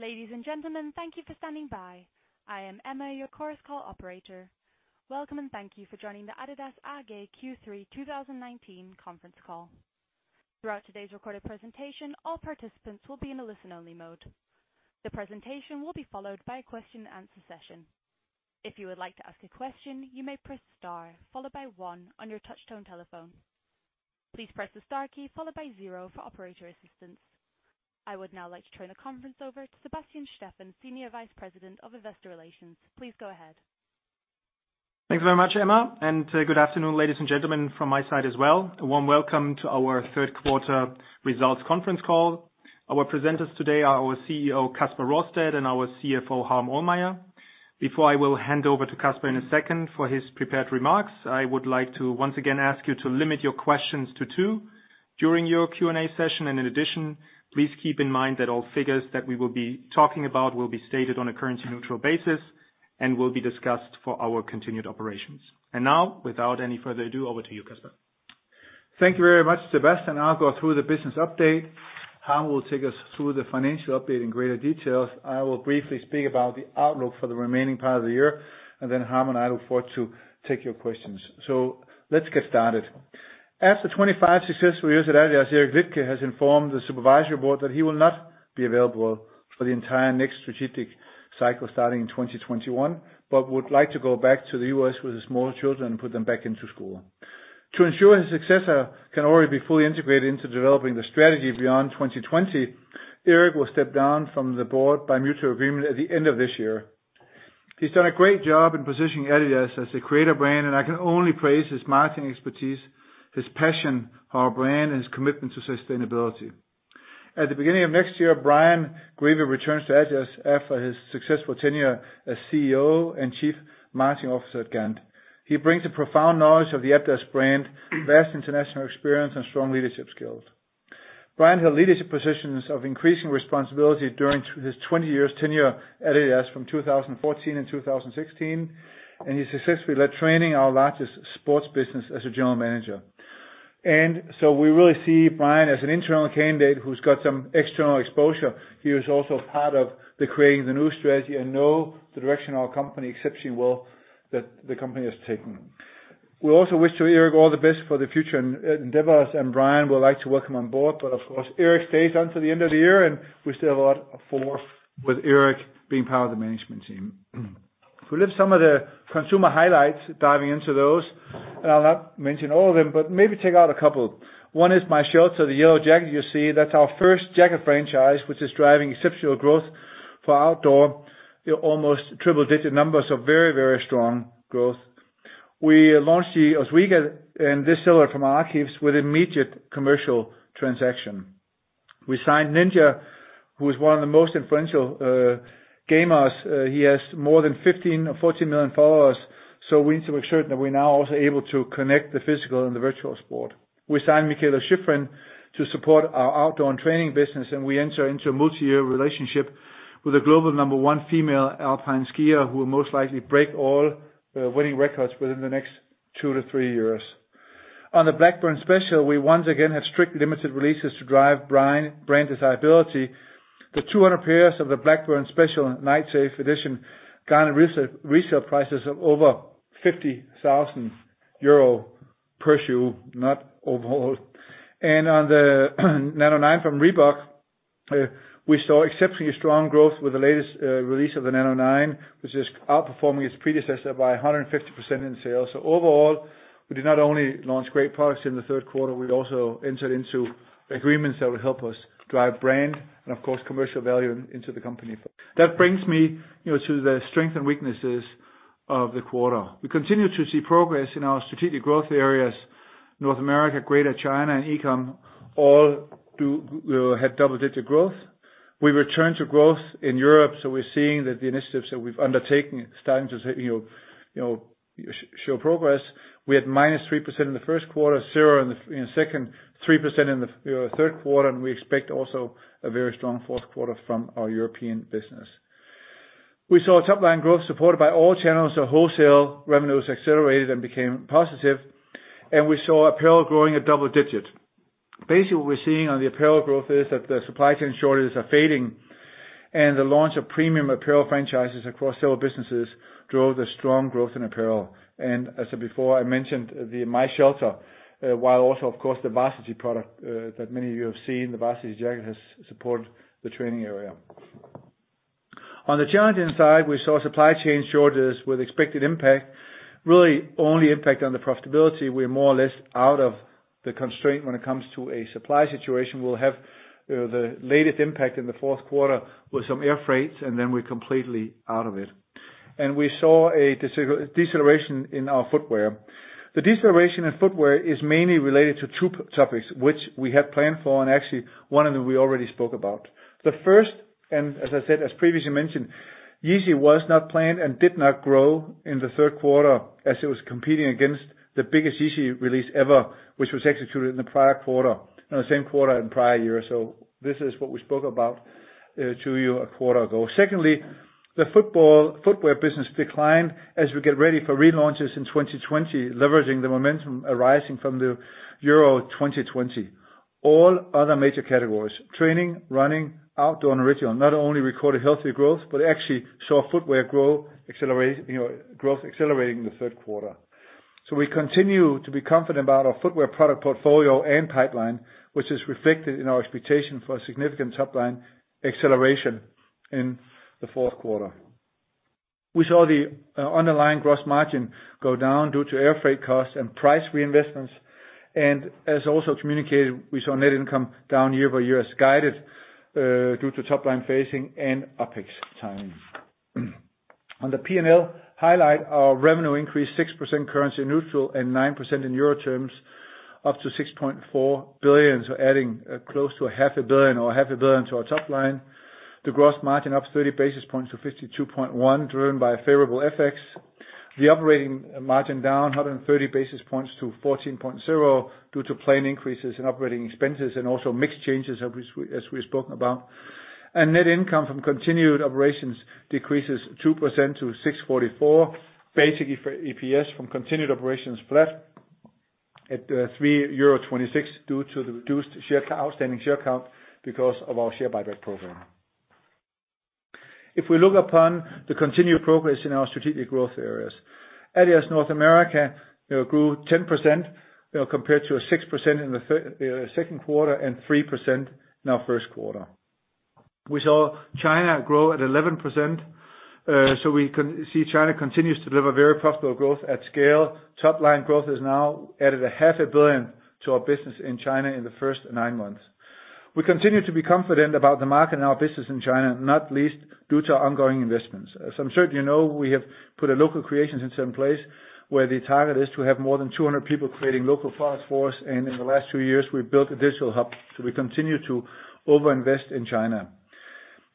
Ladies and gentlemen, thank you for standing by. I am Emma, your Chorus Call operator. Welcome. Thank you for joining the Adidas AG Q3 2019 conference call. Throughout today's recorded presentation, all participants will be in a listen-only mode. The presentation will be followed by a question and answer session. If you would like to ask a question, you may press star, followed by one on your touch-tone telephone. Please press the star key followed by zero for operator assistance. I would now like to turn the conference over to Sebastian Steffen, Senior Vice President of Investor Relations. Please go ahead. Thanks very much, Emma, good afternoon, ladies and gentlemen, from my side as well. A warm welcome to our third quarter results conference call. Our presenters today are our CEO, Kasper Rorsted, and our CFO, Harm Ohlmeyer. Before I will hand over to Kasper in a second for his prepared remarks, I would like to once again ask you to limit your questions to two during your Q&A session. In addition, please keep in mind that all figures that we will be talking about will be stated on a currency-neutral basis and will be discussed for our continued operations. Now, without any further ado, over to you, Kasper. Thank you very much, Sebastian. I'll go through the business update. Harm will take us through the financial update in greater detail. I will briefly speak about the outlook for the remaining part of the year, and then Harm and I look forward to take your questions. Let's get started. After 25 successful years at adidas, Eric Liedtke has informed the supervisory board that he will not be available for the entire next strategic cycle starting in 2021, but would like to go back to the U.S. with his small children and put them back into school. To ensure his successor can already be fully integrated into developing the strategy beyond 2020, Eric will step down from the board by mutual agreement at the end of this year. He's done a great job in positioning adidas as a creator brand. I can only praise his marketing expertise, his passion for our brand, and his commitment to sustainability. At the beginning of next year, Brian Grevy returns to adidas after his successful tenure as CEO and Chief Marketing Officer at GANT. He brings a profound knowledge of the adidas brand, vast international experience, and strong leadership skills. Brian had leadership positions of increasing responsibility during his 20-year tenure at adidas from 2014 and 2016. He successfully led training our largest sports business as a general manager. We really see Brian as an internal candidate who's got some external exposure. He was also part of the creating the new strategy and know the direction our company exceptionally well that the company has taken. We also wish Eric all the best for the future endeavors. Brian will like to welcome on board. Of course, Eric stays until the end of the year, and we still have a lot of work with Eric being part of the management team. To list some of the consumer highlights, diving into those. I'll not mention all of them, maybe take out a couple. One is MYSHELTER, the yellow jacket you see, that's our first jacket franchise, which is driving exceptional growth for outdoor, almost triple-digit numbers of very strong growth. We launched the Ozweego and Continental from archives with immediate commercial transaction. We signed Ninja, who is one of the most influential gamers. He has more than 15 or 14 million followers. We need to make sure that we're now also able to connect the physical and the virtual sport. We signed Mikaela Shiffrin to support our outdoor and training business. We enter into a multi-year relationship with the global number one female alpine skier, who will most likely break all winning records within the next 2-3 years. On the Blackburn Special, we once again have strict limited releases to drive brand desirability. The 200 pairs of the Blackburn Special Nightsafe edition garner resale prices of over 50,000 euro per shoe, not overall. On the Nano 9 from Reebok, we saw exceptionally strong growth with the latest release of the Nano 9, which is outperforming its predecessor by 150% in sales. Overall, we did not only launch great products in the third quarter, we also entered into agreements that will help us drive brand and, of course, commercial value into the company. That brings me to the strength and weaknesses of the quarter. We continue to see progress in our strategic growth areas. North America, Greater China, and E-com all had double-digit growth. We returned to growth in Europe. We're seeing that the initiatives that we've undertaken are starting to show progress. We had -3% in the first quarter, 0% in the second, 3% in the third quarter. We also expect a very strong fourth quarter from our European business. We saw top-line growth supported by all channels. Wholesale revenues accelerated and became positive. We saw apparel growing at double digits. Basically, what we're seeing on the apparel growth is that the supply chain shortages are fading. The launch of premium apparel franchises across several businesses drove the strong growth in apparel. As before, I mentioned the MYSHELTER, while also, of course, the VRCT product that many of you have seen, the VRCT jacket, has supported the training area. On the challenging side, we saw supply chain shortages with expected impact, really only impact on the profitability. We're more or less out of the constraint when it comes to a supply situation. We'll have the latest impact in the fourth quarter with some air freight, then we're completely out of it. We saw a deceleration in our footwear. The deceleration in footwear is mainly related to two topics, which we had planned for, and actually one of them we already spoke about. The first, as I said, as previously mentioned, Yeezy was not planned and did not grow in the third quarter as it was competing against the biggest Yeezy release ever, which was executed in the prior quarter, in the same quarter and prior year or so. This is what we spoke about to you a quarter ago. Secondly. The footwear business declined as we get ready for relaunches in 2020, leveraging the momentum arising from the Euro 2020. All other major categories, training, running, outdoor and Originals, not only recorded healthier growth, but actually saw footwear growth accelerating in the third quarter. We continue to be confident about our footwear product portfolio and pipeline, which is reflected in our expectation for a significant top-line acceleration in the fourth quarter. We saw the underlying gross margin go down due to air freight costs and price reinvestments. As also communicated, we saw net income down year-over-year as guided, due to top line phasing and OpEx timing. On the P&L highlight, our revenue increased 6% currency neutral and 9% in EUR terms, up to 6.4 billion, adding close to a half a billion EUR to our top line. The gross margin up 30 basis points to 52.1%, driven by favorable FX. The operating margin down 130 basis points to 14.0% due to planned increases in operating expenses, also mix changes as we've spoken about. Net income from continued operations decreases 2% to 644 million, basic EPS from continued operations flat at 3.26 euro due to the reduced outstanding share count because of our share buyback program. We look upon the continued progress in our strategic growth areas, adidas North America grew 10% compared to 6% in the second quarter and 3% in our first quarter. We saw China grow at 11%. We can see China continues to deliver very profitable growth at scale. Top line growth has now added a half a billion to our business in China in the first nine months. We continue to be confident about the market and our business in China, not least due to our ongoing investments. As I'm sure you know, we have put local creations into place where the target is to have more than 200 people creating local products for us. In the last two years we've built a digital hub. We continue to over-invest in China.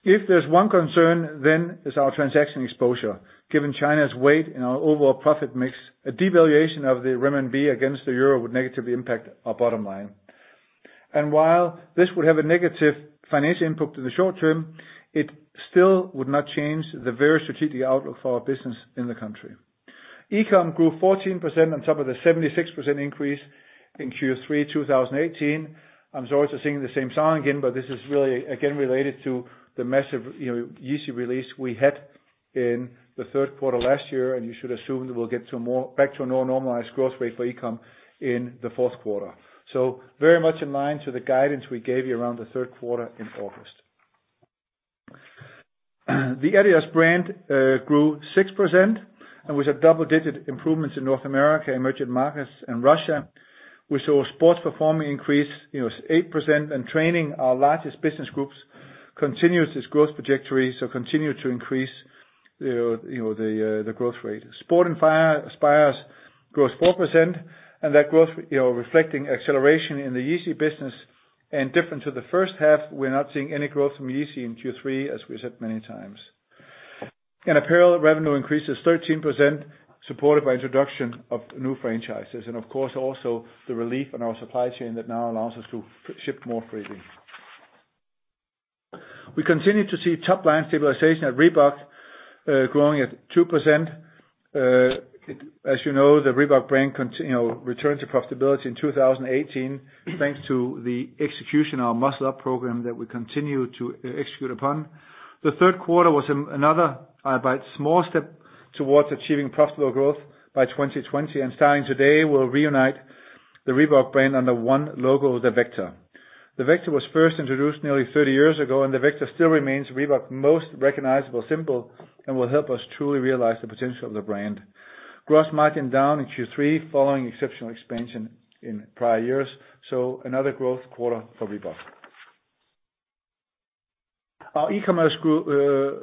If there's one concern, it's our transaction exposure. While this would have a negative financial impact in the short term, it still would not change the very strategic outlook for our business in the country. E-com grew 14% on top of the 76% increase in Q3, 2018. I'm sorry for singing the same song again, but this is really again related to the massive Yeezy release we had in the third quarter last year, and you should assume that we'll get back to a more normalized growth rate for E-com in the fourth quarter. Very much in line to the guidance we gave you around the third quarter in August. The adidas brand grew 6% and with a double-digit improvements in North America, emerging markets and Russia. We saw Sport Performance increase 8% and training, our largest business group, continues its growth trajectory, so continue to increase the growth rate. Sport Inspired grows 4% and that growth reflecting acceleration in the Yeezy business and different to the first half, we're not seeing any growth from Yeezy in Q3 as we said many times. Apparel revenue increases 13%, supported by introduction of new franchises and, of course, also the relief on our supply chain that now allows us to ship more freely. We continue to see top-line stabilization at Reebok, growing at 2%. As you know, the Reebok brand returned to profitability in 2018 thanks to the execution of our Muscle Up program that we continue to execute upon. The third quarter was another small step towards achieving profitable growth by 2020. Starting today, we'll reunite the Reebok brand under one logo, the Vector. The Vector was first introduced nearly 30 years ago, and the Vector still remains Reebok's most recognizable symbol and will help us truly realize the potential of the brand. Gross margin down in Q3 following exceptional expansion in prior years, so another growth quarter for Reebok. Our e-commerce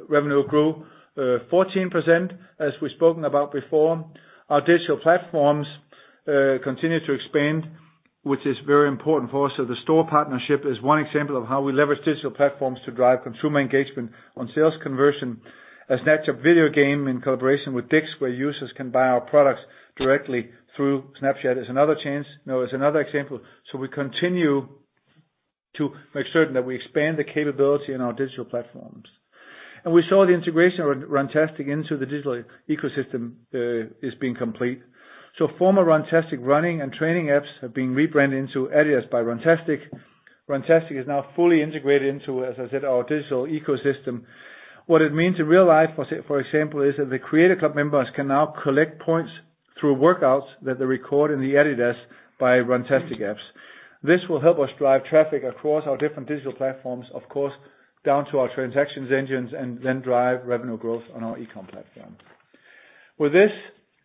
revenue grew 14%. As we've spoken about before, our digital platforms continue to expand, which is very important for us. The store partnership is one example of how we leverage digital platforms to drive consumer engagement on sales conversion. A Snapchat video game in collaboration with DICK'S, where users can buy our products directly through Snapchat is another example. We continue to make certain that we expand the capability in our digital platforms. We saw the integration of Runtastic into the digital ecosystem is being complete. Former Runtastic running and training apps have been rebranded into adidas Runtastic. Runtastic is now fully integrated into, as I said, our digital ecosystem. What it means in real life, for example, is that the Creators Club members can now collect points through workouts that they record in the adidas Runtastic apps. This will help us drive traffic across our different digital platforms, of course, down to our transactions engines and then drive revenue growth on our e-com platform. With this,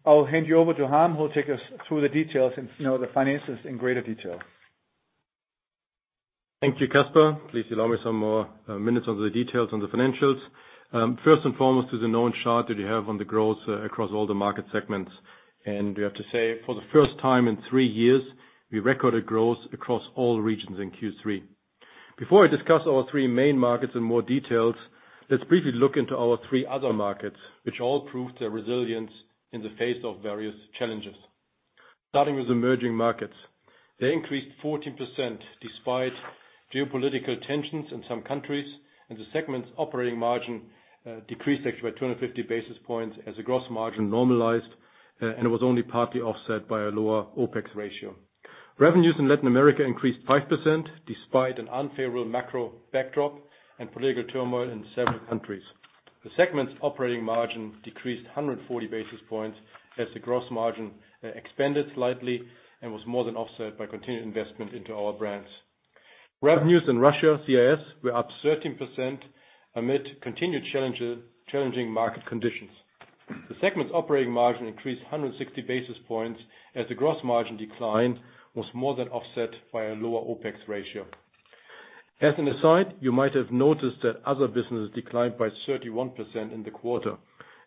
I'll hand you over to Harm, who will take us through the details and the finances in greater detail. Thank you, Kasper. Please allow me some more minutes on the details on the financials. First and foremost is the known chart that you have on the growth across all the market segments. We have to say, for the first time in three years, we recorded growth across all regions in Q3. Before I discuss our three main markets in more details, let's briefly look into our three other markets, which all proved their resilience in the face of various challenges. Starting with emerging markets. They increased 14% despite geopolitical tensions in some countries, and the segment's operating margin decreased actually by 250 basis points as the gross margin normalized and it was only partly offset by a lower OpEx ratio. Revenues in Latin America increased 5%, despite an unfavorable macro backdrop and political turmoil in several countries. The segment's operating margin decreased 140 basis points as the gross margin expanded slightly and was more than offset by continued investment into our brands. Revenues in Russia, CIS, were up 13% amid continued challenging market conditions. The segment's operating margin increased 160 basis points as the gross margin decline was more than offset by a lower OpEx ratio. As an aside, you might have noticed that other businesses declined by 31% in the quarter.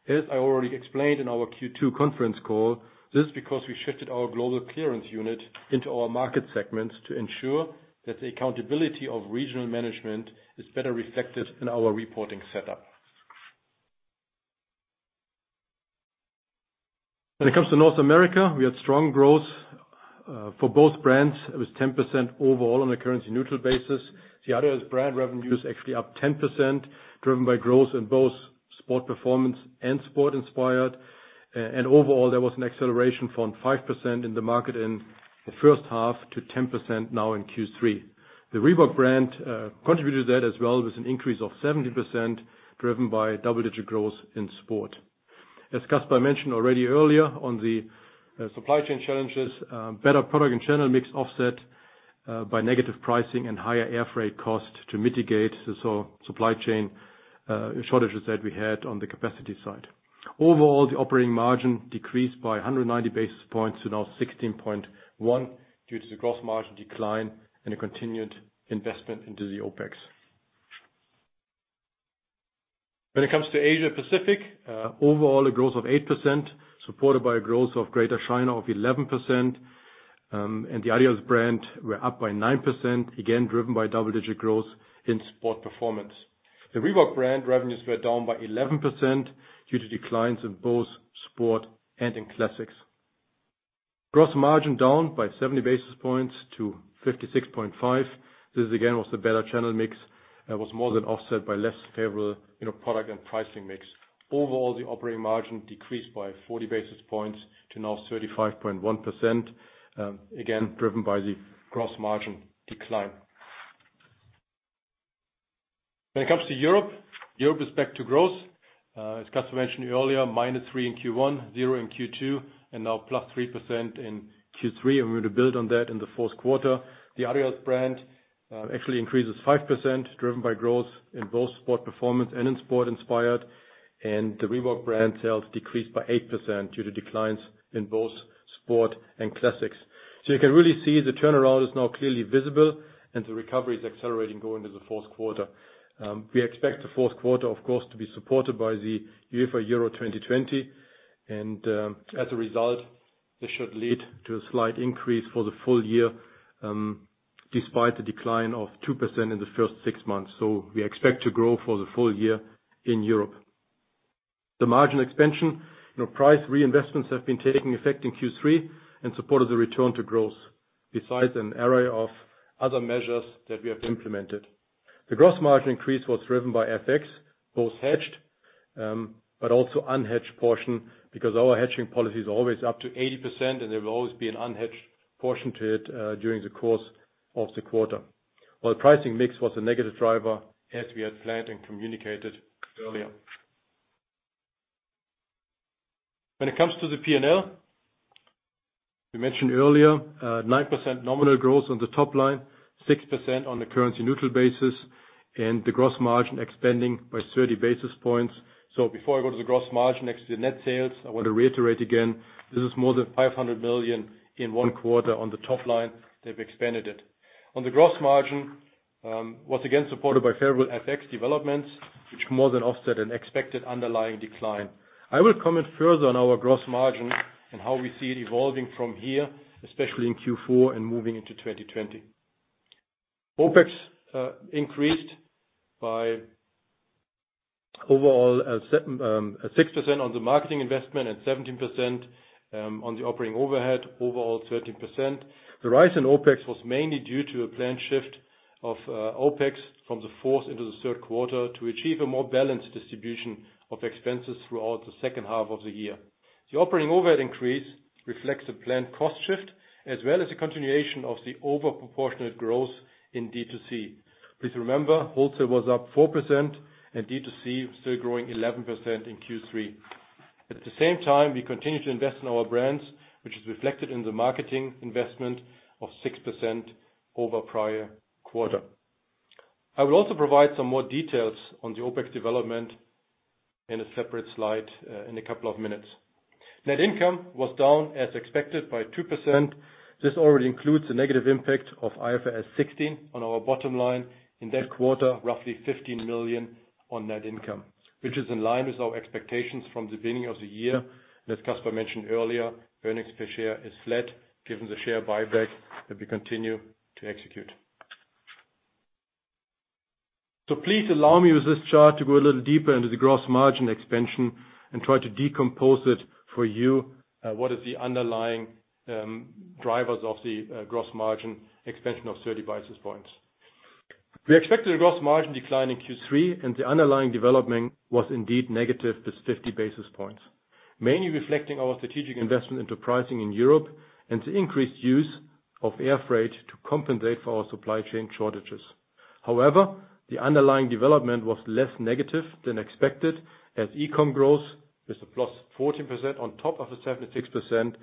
As I already explained in our Q2 conference call, this is because we shifted our global clearance unit into our market segments to ensure that the accountability of regional management is better reflected in our reporting setup. When it comes to North America, we had strong growth for both brands. It was 10% overall on a currency-neutral basis. The adidas brand revenue is actually up 10%, driven by growth in both Sport Performance and Sport Inspired. Overall, there was an acceleration from 5% in the market in the first half to 10% now in Q3. The Reebok brand contributed to that as well with an increase of 70%, driven by double-digit growth in sport. As Kasper mentioned already earlier on the supply chain challenges, better product and channel mix offset by negative pricing and higher airfreight cost to mitigate the supply chain shortages that we had on the capacity side. Overall, the operating margin decreased by 190 basis points to now 16.1% due to the gross margin decline and a continued investment into the OpEx. When it comes to Asia Pacific, overall a growth of 8%, supported by a growth of Greater China of 11%. The adidas brand were up by 9%, again, driven by double-digit growth in Sport Performance. The Reebok brand revenues were down by 11% due to declines in both sport and in classics. Gross margin down by 70 basis points to 56.5%. This again was the better channel mix and was more than offset by less favorable product and pricing mix. Overall, the operating margin decreased by 40 basis points to now 35.1%, again, driven by the gross margin decline. When it comes to Europe is back to growth. As Kasper mentioned earlier, -3% in Q1, 0% in Q2, and now +3% in Q3, and we're going to build on that in the fourth quarter. The adidas brand actually increases 5%, driven by growth in both Sport Performance and in Sport Inspired, and the Reebok brand sales decreased by 8% due to declines in both sport and classics. You can really see the turnaround is now clearly visible and the recovery is accelerating going into the fourth quarter. We expect the fourth quarter, of course, to be supported by the UEFA Euro 2020 and, as a result, this should lead to a slight increase for the full year despite a decline of 2% in the first six months. We expect to grow for the full year in Europe. The margin expansion. Price reinvestments have been taking effect in Q3 and supported the return to growth, besides an array of other measures that we have implemented. The gross margin increase was driven by FX, both hedged but also unhedged portion because our hedging policy is always up to 80% and there will always be an unhedged portion to it during the course of the quarter. While pricing mix was a negative driver as we had planned and communicated earlier. When it comes to the P&L, we mentioned earlier 9% nominal growth on the top line, 6% on the currency-neutral basis and the gross margin expanding by 30 basis points. Before I go to the gross margin next to the net sales, I want to reiterate again, this is more than 500 million in one quarter on the top line. They've expanded it. On the gross margin, once again supported by favorable FX developments, which more than offset an expected underlying decline. I will comment further on our gross margin and how we see it evolving from here, especially in Q4 and moving into 2020. OpEx increased by overall 6% on the marketing investment and 17% on the operating overhead, overall 13%. The rise in OpEx was mainly due to a planned shift of OpEx from the fourth into the third quarter to achieve a more balanced distribution of expenses throughout the second half of the year. The operating overhead increase reflects a planned cost shift as well as a continuation of the over proportionate growth in D2C. Please remember, wholesale was up 4% and D2C still growing 11% in Q3. At the same time, we continue to invest in our brands, which is reflected in the marketing investment of 6% over prior quarter. I will also provide some more details on the OpEx development in a separate slide in a couple of minutes. Net income was down as expected by 2%. This already includes the negative impact of IFRS 16 on our bottom line in that quarter, roughly 15 million on net income. Which is in line with our expectations from the beginning of the year and as Kasper mentioned earlier, earnings per share is flat given the share buyback that we continue to execute. Please allow me with this chart to go a little deeper into the gross margin expansion and try to decompose it for you, what is the underlying drivers of the gross margin expansion of 30 basis points. We expected a gross margin decline in Q3, and the underlying development was indeed negative, just 50 basis points, mainly reflecting our strategic investment into pricing in Europe and the increased use of air freight to compensate for our supply chain shortages. However, the underlying development was less negative than expected as e-com growth with a +14% on top of the 76%,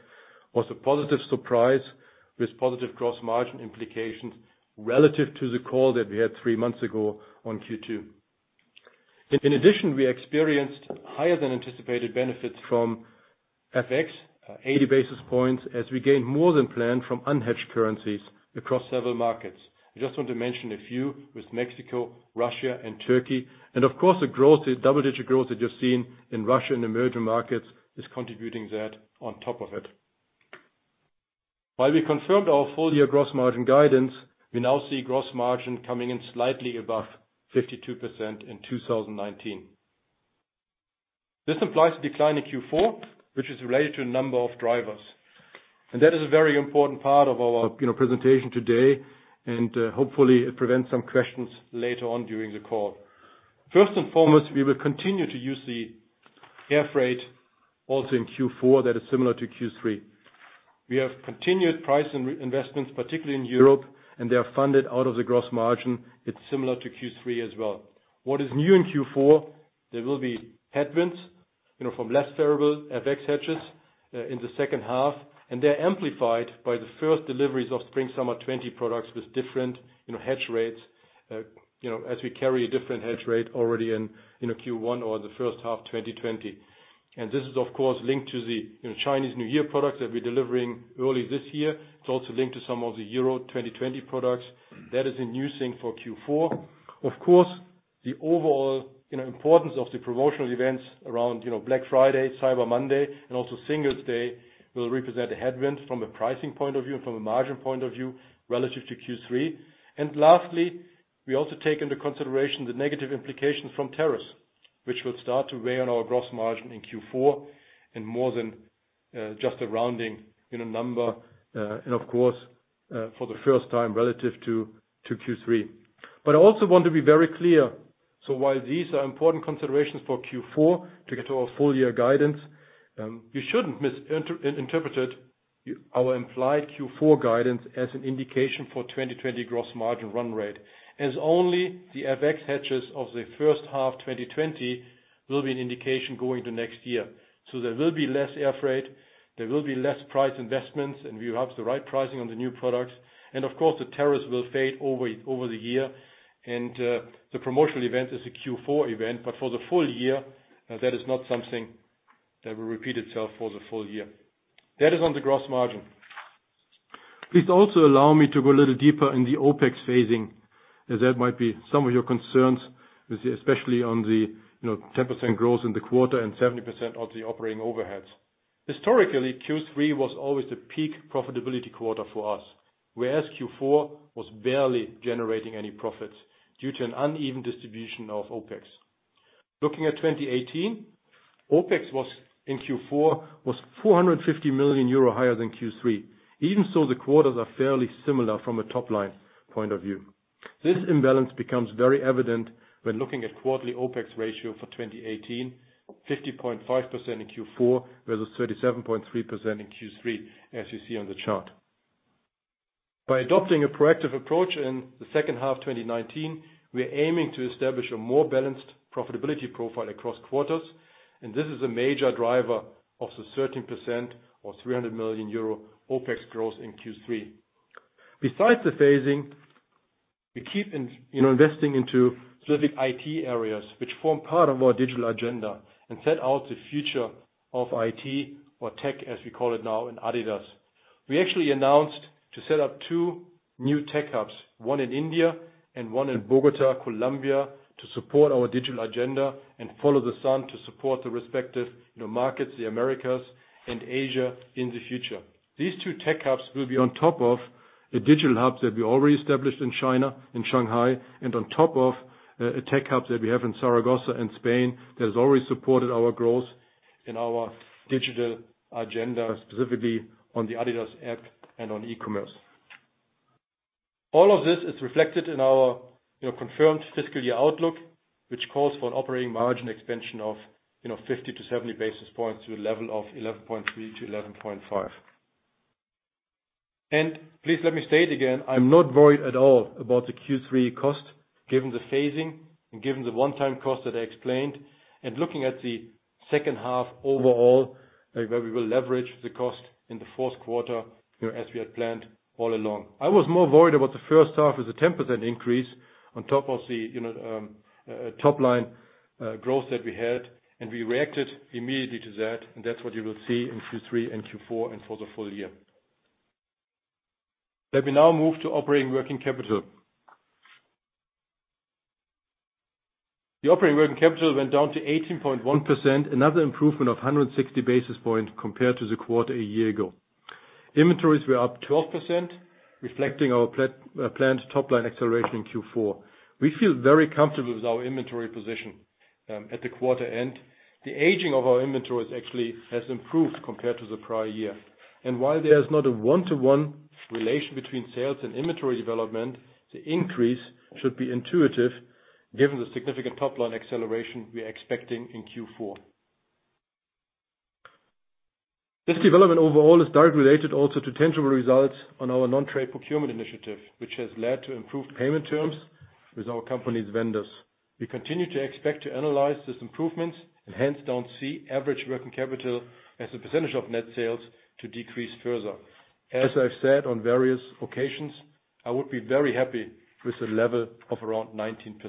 was a positive surprise with positive gross margin implications relative to the call that we had three months ago on Q2. In addition, we experienced higher than anticipated benefits from FX, 80 basis points, as we gained more than planned from unhedged currencies across several markets. I just want to mention a few with Mexico, Russia, and Turkey. Of course, the double-digit growth that you're seeing in Russia and emerging markets is contributing that on top of it. While we confirmed our full-year gross margin guidance, we now see gross margin coming in slightly above 52% in 2019. This implies a decline in Q4, which is related to a number of drivers. That is a very important part of our presentation today and hopefully it prevents some questions later on during the call. First and foremost, we will continue to use the air freight also in Q4 that is similar to Q3. We have continued price investments, particularly in Europe, and they are funded out of the gross margin. It's similar to Q3 as well. What is new in Q4, there will be headwinds from less favorable FX hedges in the second half, and they are amplified by the first deliveries of Spring/Summer 2020 products with different hedge rates as we carry a different hedge rate already in Q1 or the first half 2020. This is, of course, linked to the Chinese New Year products that we're delivering early this year. It's also linked to some of the Euro 2020 products. That is a new thing for Q4. The overall importance of the promotional events around Black Friday, Cyber Monday, and also Singles Day will represent a headwind from a pricing point of view and from a margin point of view relative to Q3. Lastly, we also take into consideration the negative implications from tariffs, which will start to weigh on our gross margin in Q4 in more than just a rounding number and of course, for the first time, relative to Q3. I also want to be very clear. While these are important considerations for Q4 to get to our full-year guidance, you shouldn't misinterpret our implied Q4 guidance as an indication for 2020 gross margin run rate, as only the FX hedges of the first half 2020 will be an indication going to next year. There will be less air freight, there will be less price investments, and we will have the right pricing on the new products. Of course, the tariffs will fade over the year. The promotional event is a Q4 event, but for the full year, that is not something that will repeat itself for the full year. That is on the gross margin. Please also allow me to go a little deeper in the OpEx phasing, as that might be some of your concerns, especially on the 10% growth in the quarter and 70% of the operating overheads. Historically, Q3 was always the peak profitability quarter for us, whereas Q4 was barely generating any profits due to an uneven distribution of OpEx. Looking at 2018, OpEx in Q4 was 450 million euro higher than Q3. Even so, the quarters are fairly similar from a top-line point of view. This imbalance becomes very evident when looking at quarterly OpEx ratio for 2018, 50.5% in Q4 versus 37.3% in Q3, as you see on the chart. By adopting a proactive approach in the second half 2019, we're aiming to establish a more balanced profitability profile across quarters. This is a major driver of the 13% or 300 million euro OpEx growth in Q3. Besides the phasing, we keep investing into specific IT areas, which form part of our digital agenda and set out the future of IT or tech as we call it now in adidas. We actually announced to set up two new tech hubs, one in India and one in Bogota, Colombia, to support our digital agenda and follow the sun to support the respective markets, the Americas and Asia, in the future. These two tech hubs will be on top of the digital hubs that we already established in China, in Shanghai, and on top of a tech hub that we have in Zaragoza in Spain that has always supported our growth and our digital agenda, specifically on the adidas app and on e-commerce. All of this is reflected in our confirmed fiscal year outlook, which calls for an operating margin expansion of 50-70 basis points to a level of 11.3-11.5. Please let me state again, I'm not worried at all about the Q3 cost given the phasing and given the one-time cost that I explained, and looking at the second half overall, where we will leverage the cost in the fourth quarter as we had planned all along. I was more worried about the first half with a 10% increase on top of the top-line growth that we had. We reacted immediately to that, and that's what you will see in Q3 and Q4 and for the full year. Let me now move to operating working capital. The operating working capital went down to 18.1%, another improvement of 160 basis points compared to the quarter a year ago. Inventories were up 12%, reflecting our planned top-line acceleration in Q4. We feel very comfortable with our inventory position at the quarter end. The aging of our inventories actually has improved compared to the prior year. While there's not a one-to-one relation between sales and inventory development, the increase should be intuitive given the significant top-line acceleration we are expecting in Q4. This development overall is directly related also to tangible results on our non-trade procurement initiative, which has led to improved payment terms with our company's vendors. We continue to expect to analyze these improvements and hence don't see average working capital as a % of net sales to decrease further. As I've said on various occasions, I would be very happy with a level of around 19%.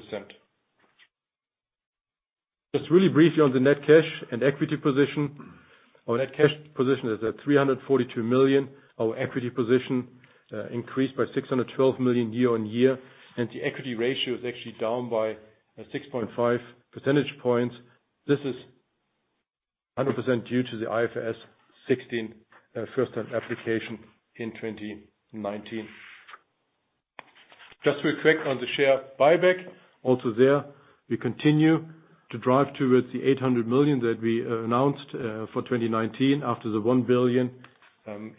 Just really briefly on the net cash and equity position. Our net cash position is at 342 million. Our equity position increased by 612 million year-over-year, and the equity ratio is actually down by 6.5 percentage points. This is 100% due to the IFRS 16 first-time application in 2019. Just to correct on the share buyback, also there, we continue to drive towards the 800 million that we announced for 2019 after the 1 billion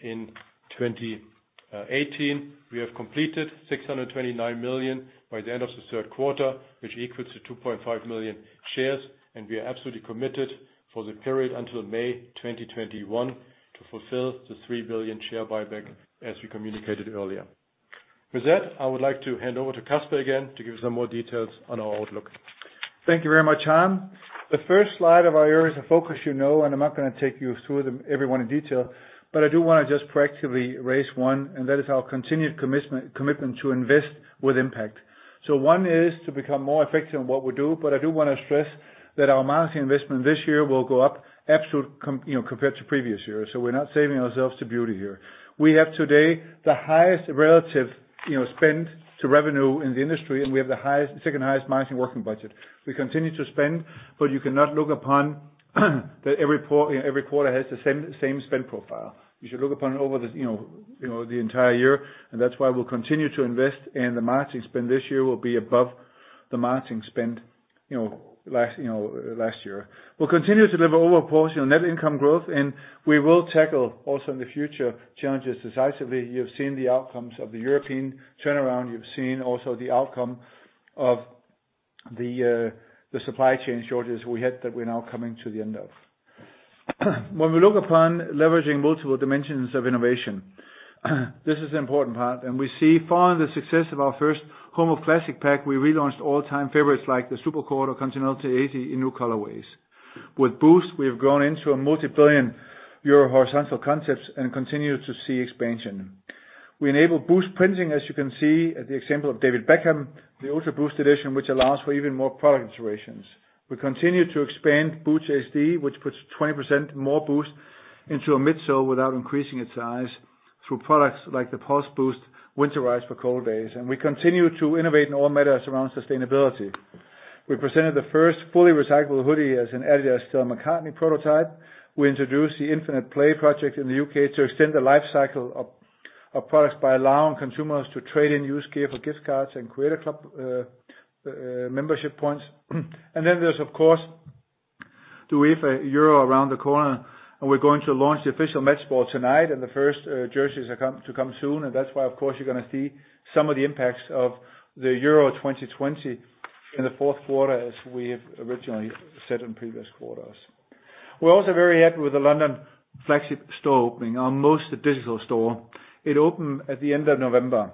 in 2018. We have completed 629 million by the end of the third quarter, which equals to 2.5 million shares. We are absolutely committed for the period until May 2021 to fulfill the 3 billion share buyback as we communicated earlier. With that, I would like to hand over to Kasper again to give some more details on our outlook. Thank you very much, Harm. The first slide of our year is a focus you know, and I'm not going to take you through every one in detail, but I do want to just proactively raise one, and that is our continued commitment to invest with impact. One is to become more effective in what we do, but I do want to stress that our marketing investment this year will go up absolute compared to previous years. We're not saving ourselves to beauty here. We have today the highest relative spend to revenue in the industry, and we have the second-highest marketing working budget. We continue to spend, but you cannot look upon that every quarter has the same spend profile. You should look upon over the entire year, and that's why we'll continue to invest, and the marketing spend this year will be above the marketing spend last year. We'll continue to deliver overproportional net income growth, and we will tackle also in the future, challenges decisively. You've seen the outcomes of the European turnaround. You've seen also the outcome of the supply chain shortages we had that we're now coming to the end of. When we look upon leveraging multiple dimensions of innovation, this is the important part, and we see following the success of our first Home of Classics pack, we relaunched all-time favorites like the Supercourt or Continental 80 in new colorways. With Boost, we have grown into a multi-billion EUR horizontal concepts and continue to see expansion. We enable Boost printing, as you can see at the example of David Beckham, the Ultraboost edition, which allows for even more product iterations. We continue to expand Boost HD, which puts 20% more Boost into a midsole without increasing its size through products like the Pulseboost HD Winterized for cold days. We continue to innovate in all matters around sustainability. We presented the first fully recyclable hoodie as an adidas by Stella McCartney prototype. We introduced the Infinite Play project in the U.K. to extend the life cycle of products by allowing consumers to trade in used gear for gift cards and Creators Club membership points. There's, of course, the UEFA Euro around the corner, and we're going to launch the official match ball tonight and the first jerseys are to come soon. That's why, of course, you're going to see some of the impacts of the Euro 2020 in the fourth quarter as we have originally said in previous quarters. We're also very happy with the London flagship store opening, our most digital store. It opened at the end of November.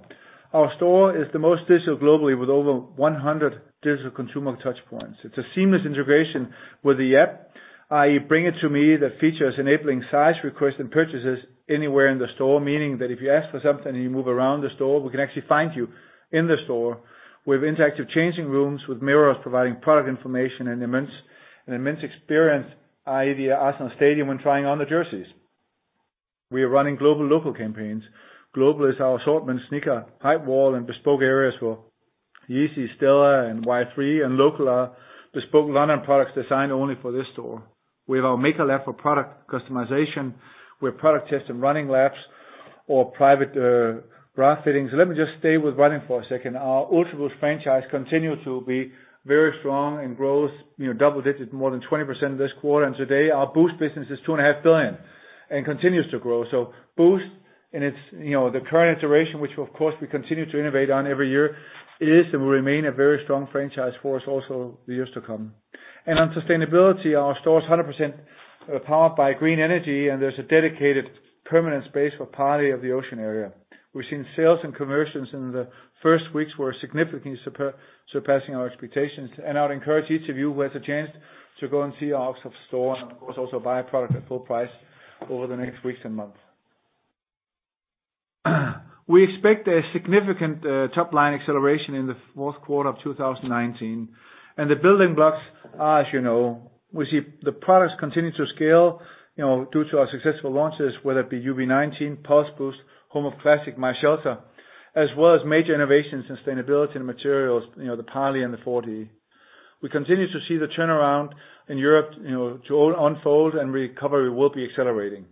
Our store is the most digital globally with over 100 digital consumer touch points. It's a seamless integration with the app, i.e. Bring It To Me, that features enabling size requests and purchases anywhere in the store. Meaning that if you ask for something and you move around the store, we can actually find you in the store. We have interactive changing rooms with mirrors providing product information and an immense experience, i.e. the Arsenal stadium when trying on the jerseys. We are running global-local campaigns. Global is our assortment sneaker, hype wall, and bespoke areas for Yeezy, Stella, and Y-3. Local are bespoke London products designed only for this store. We have our Maker Lab for product customization with product tests and running labs or private bra fittings. Let me just stay with running for a second. Our Ultraboost franchise continue to be very strong and grows double digits more than 20% this quarter. Today, our Boost business is 2.5 billion and continues to grow. Boost and the current iteration, which of course we continue to innovate on every year, it is and will remain a very strong franchise for us also the years to come. On sustainability, our store is 100% powered by green energy, and there's a dedicated permanent space for Parley for the Oceans area. We've seen sales and conversions in the first weeks were significantly surpassing our expectations. I would encourage each of you who has a chance to go and see our Oxford store and, of course, also buy a product at full price over the next weeks and months. We expect a significant top-line acceleration in the fourth quarter of 2019. As you know, we see the products continuing to scale, due to our successful launches, whether it be Ultraboost 19, Pulseboost HD, Home of Classics, MYSHELTER, as well as major innovations in sustainability and materials, the Parley and the 4D. We continue to see the turnaround in Europe to unfold and recovery will be accelerating.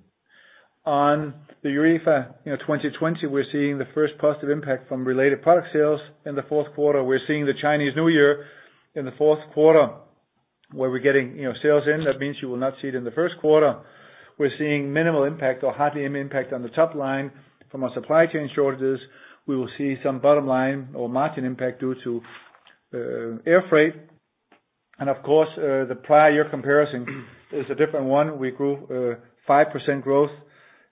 On the UEFA 2020, we're seeing the first positive impact from related product sales in the fourth quarter. We're seeing the Chinese New Year in the fourth quarter, where we're getting sales in, that means you will not see it in the first quarter. We're seeing minimal impact or hardly impact on the top line from our supply chain shortages. We will see some bottom line or margin impact due to air freight. Of course, the prior year comparison is a different one. We grew 5% growth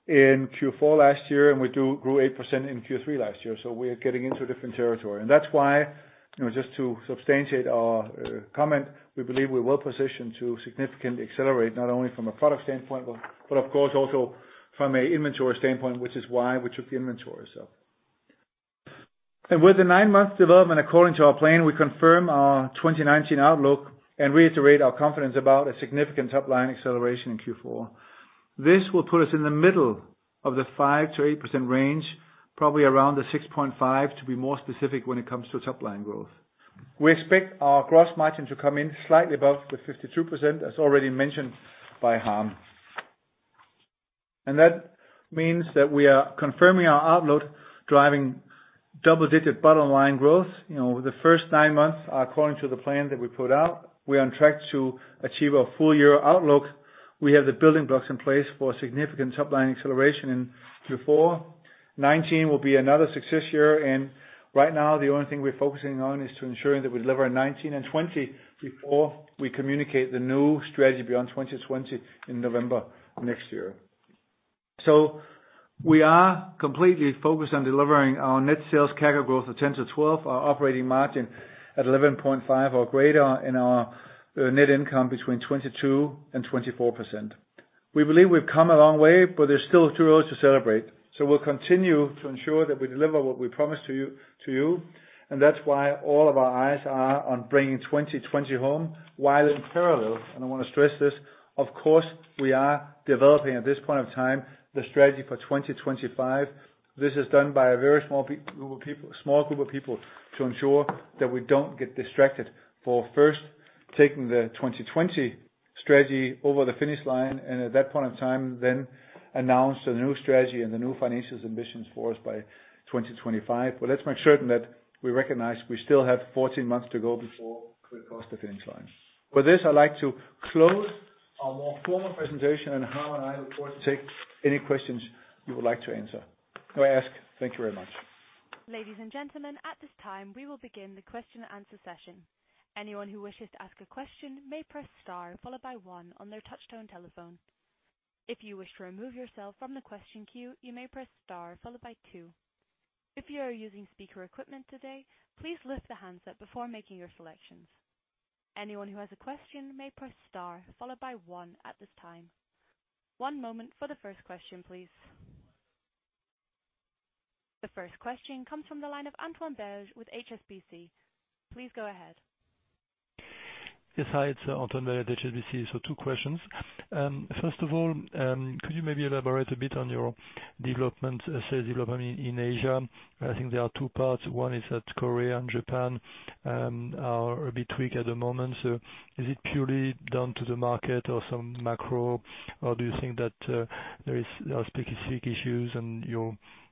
in Q4 last year, and we do grew 8% in Q3 last year. We are getting into a different territory. That's why, just to substantiate our comment, we believe we're well positioned to significantly accelerate, not only from a product standpoint, but of course also from an inventory standpoint, which is why we took the inventory. With the nine-month development according to our plan, we confirm our 2019 outlook and reiterate our confidence about a significant top line acceleration in Q4. This will put us in the middle of the 5%-8% range, probably around the 6.5% to be more specific when it comes to top line growth. We expect our gross margin to come in slightly above the 52%, as already mentioned by Harm. That means that we are confirming our outlook, driving double-digit bottom line growth. The first nine months are according to the plan that we put out. We are on track to achieve our full-year outlook. We have the building blocks in place for significant top line acceleration in Q4. 2019 will be another success year. Right now the only thing we're focusing on is to ensure that we deliver in 2019 and 2020 before we communicate the new strategy beyond 2020 in November of next year. We are completely focused on delivering our net sales CAGR growth of 10%-12%, our operating margin at 11.5% or greater, and our net income between 22% and 24%. We believe we've come a long way. There's still too early to celebrate. We'll continue to ensure that we deliver what we promised to you. That's why all of our eyes are on bringing 2020 home, while in parallel, and I want to stress this, of course, we are developing at this point of time, the strategy for 2025. This is done by a very small group of people to ensure that we don't get distracted for first taking the 2020 strategy over the finish line, and at that point in time then announce the new strategy and the new financials ambitions for us by 2025. Let's make certain that we recognize we still have 14 months to go before we cross the finish line. With this, I'd like to close our more formal presentation, and Harm and I look forward to take any questions you would like to ask. May I ask? Thank you very much. Ladies and gentlemen, at this time, we will begin the question and answer session. Anyone who wishes to ask a question may press star followed by one on their touch tone telephone. If you wish to remove yourself from the question queue, you may press star followed by two. If you are using speaker equipment today, please lift the handset before making your selections. Anyone who has a question may press star followed by one at this time. One moment for the first question, please. The first question comes from the line of Antoine Berge with HSBC. Please go ahead. Yes. Hi, it's Antoine Berge at HSBC. Two questions. First of all, could you maybe elaborate a bit on your development, sales development in Asia? I think there are two parts. One is that Korea and Japan are a bit weak at the moment. Is it purely down to the market or some macro, or do you think that there are specific issues and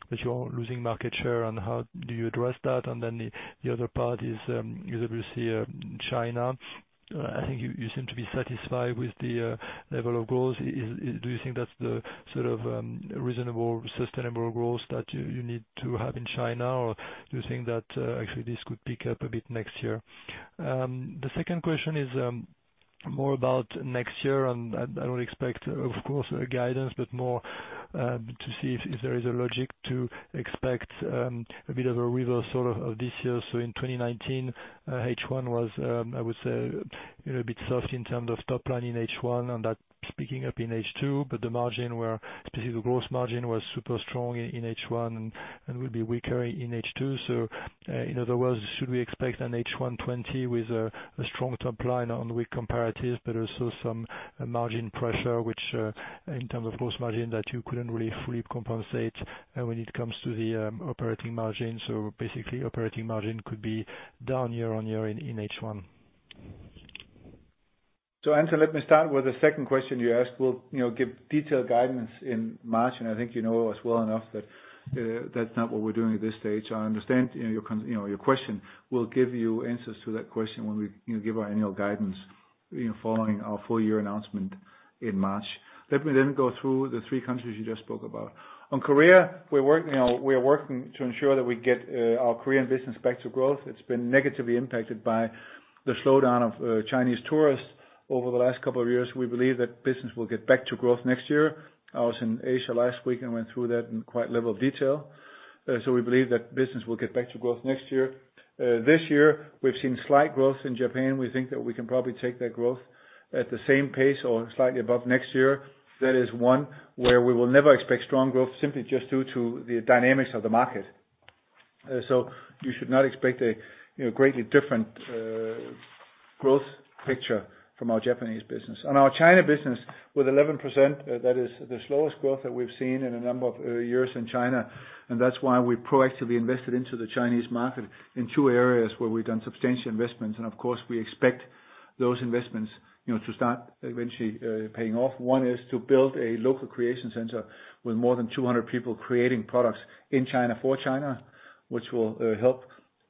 that you're losing market share, and how do you address that? The other part is Greater China. I think you seem to be satisfied with the level of growth. Do you think that's the sort of reasonable, sustainable growth that you need to have in China? Do you think that actually this could pick up a bit next year? The second question is more about next year. I don't expect, of course, guidance, but more to see if there is a logic to expect a bit of a reversal of this year. In 2019, H1 was, I would say, a bit soft in terms of top line in H1 and that's picking up in H2, but the margin where specific gross margin was super strong in H1 and will be weaker in H2. In other words, should we expect an H1 2020 with a strong top line on weak comparatives, but also some margin pressure which in terms of gross margin that you couldn't really fully compensate when it comes to the operating margin? Basically operating margin could be down year-on-year in H1. Antoine, let me start with the second question you asked. We'll give detailed guidance in March, and I think you know us well enough that's not what we're doing at this stage. I understand your question. We'll give you answers to that question when we give our annual guidance following our full-year announcement in March. Let me then go through the three countries you just spoke about. On Korea, we are working to ensure that we get our Korean business back to growth. It's been negatively impacted by the slowdown of Chinese tourists over the last couple of years. We believe that business will get back to growth next year. I was in Asia last week and went through that in quite a level of detail. We believe that business will get back to growth next year. This year, we've seen slight growth in Japan. We think that we can probably take that growth at the same pace or slightly above next year. That is one where we will never expect strong growth simply just due to the dynamics of the market. You should not expect a greatly different growth picture from our Japanese business. Our China business with 11%, that is the slowest growth that we've seen in a number of years in China, and that's why we proactively invested into the Chinese market in two areas where we've done substantial investments. Of course, we expect those investments to start eventually paying off. One is to build a local creation center with more than 200 people creating products in China for China, which will help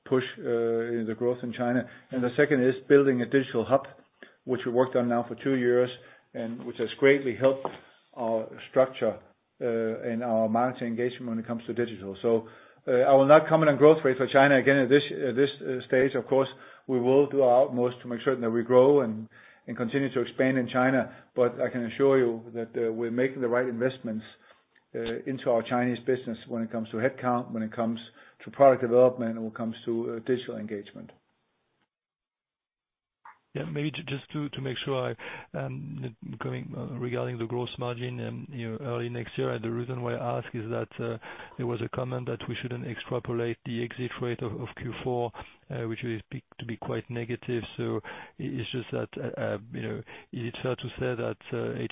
push the growth in China. The second is building a digital hub, which we worked on now for two years, and which has greatly helped our structure and our market engagement when it comes to digital. I will not comment on growth rate for China again at this stage. Of course, we will do our utmost to make sure that we grow and continue to expand in China. I can assure you that we're making the right investments into our Chinese business when it comes to headcount, when it comes to product development, and when it comes to digital engagement. Yeah. Maybe just to make sure I am going regarding the gross margin early next year. The reason why I ask is that there was a comment that we shouldn't extrapolate the exit rate of Q4, which is to be quite negative. It's just that, is it fair to say that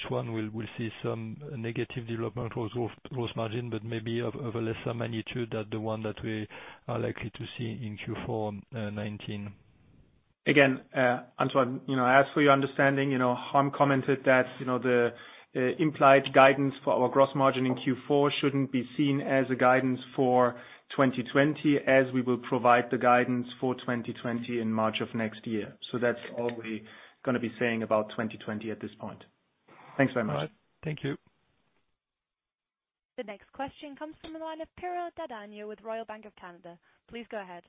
H1 we'll see some negative development gross margin, but maybe of a lesser magnitude than the one that we are likely to see in Q4 in 2019? Again, Antoine, as for your understanding, Harm commented that the implied guidance for our gross margin in Q4 shouldn't be seen as a guidance for 2020, as we will provide the guidance for 2020 in March of next year. That's all we going to be saying about 2020 at this point. Thanks very much. All right. Thank you. The next question comes from the line of Piral Dadhania with RBC Capital Markets. Please go ahead.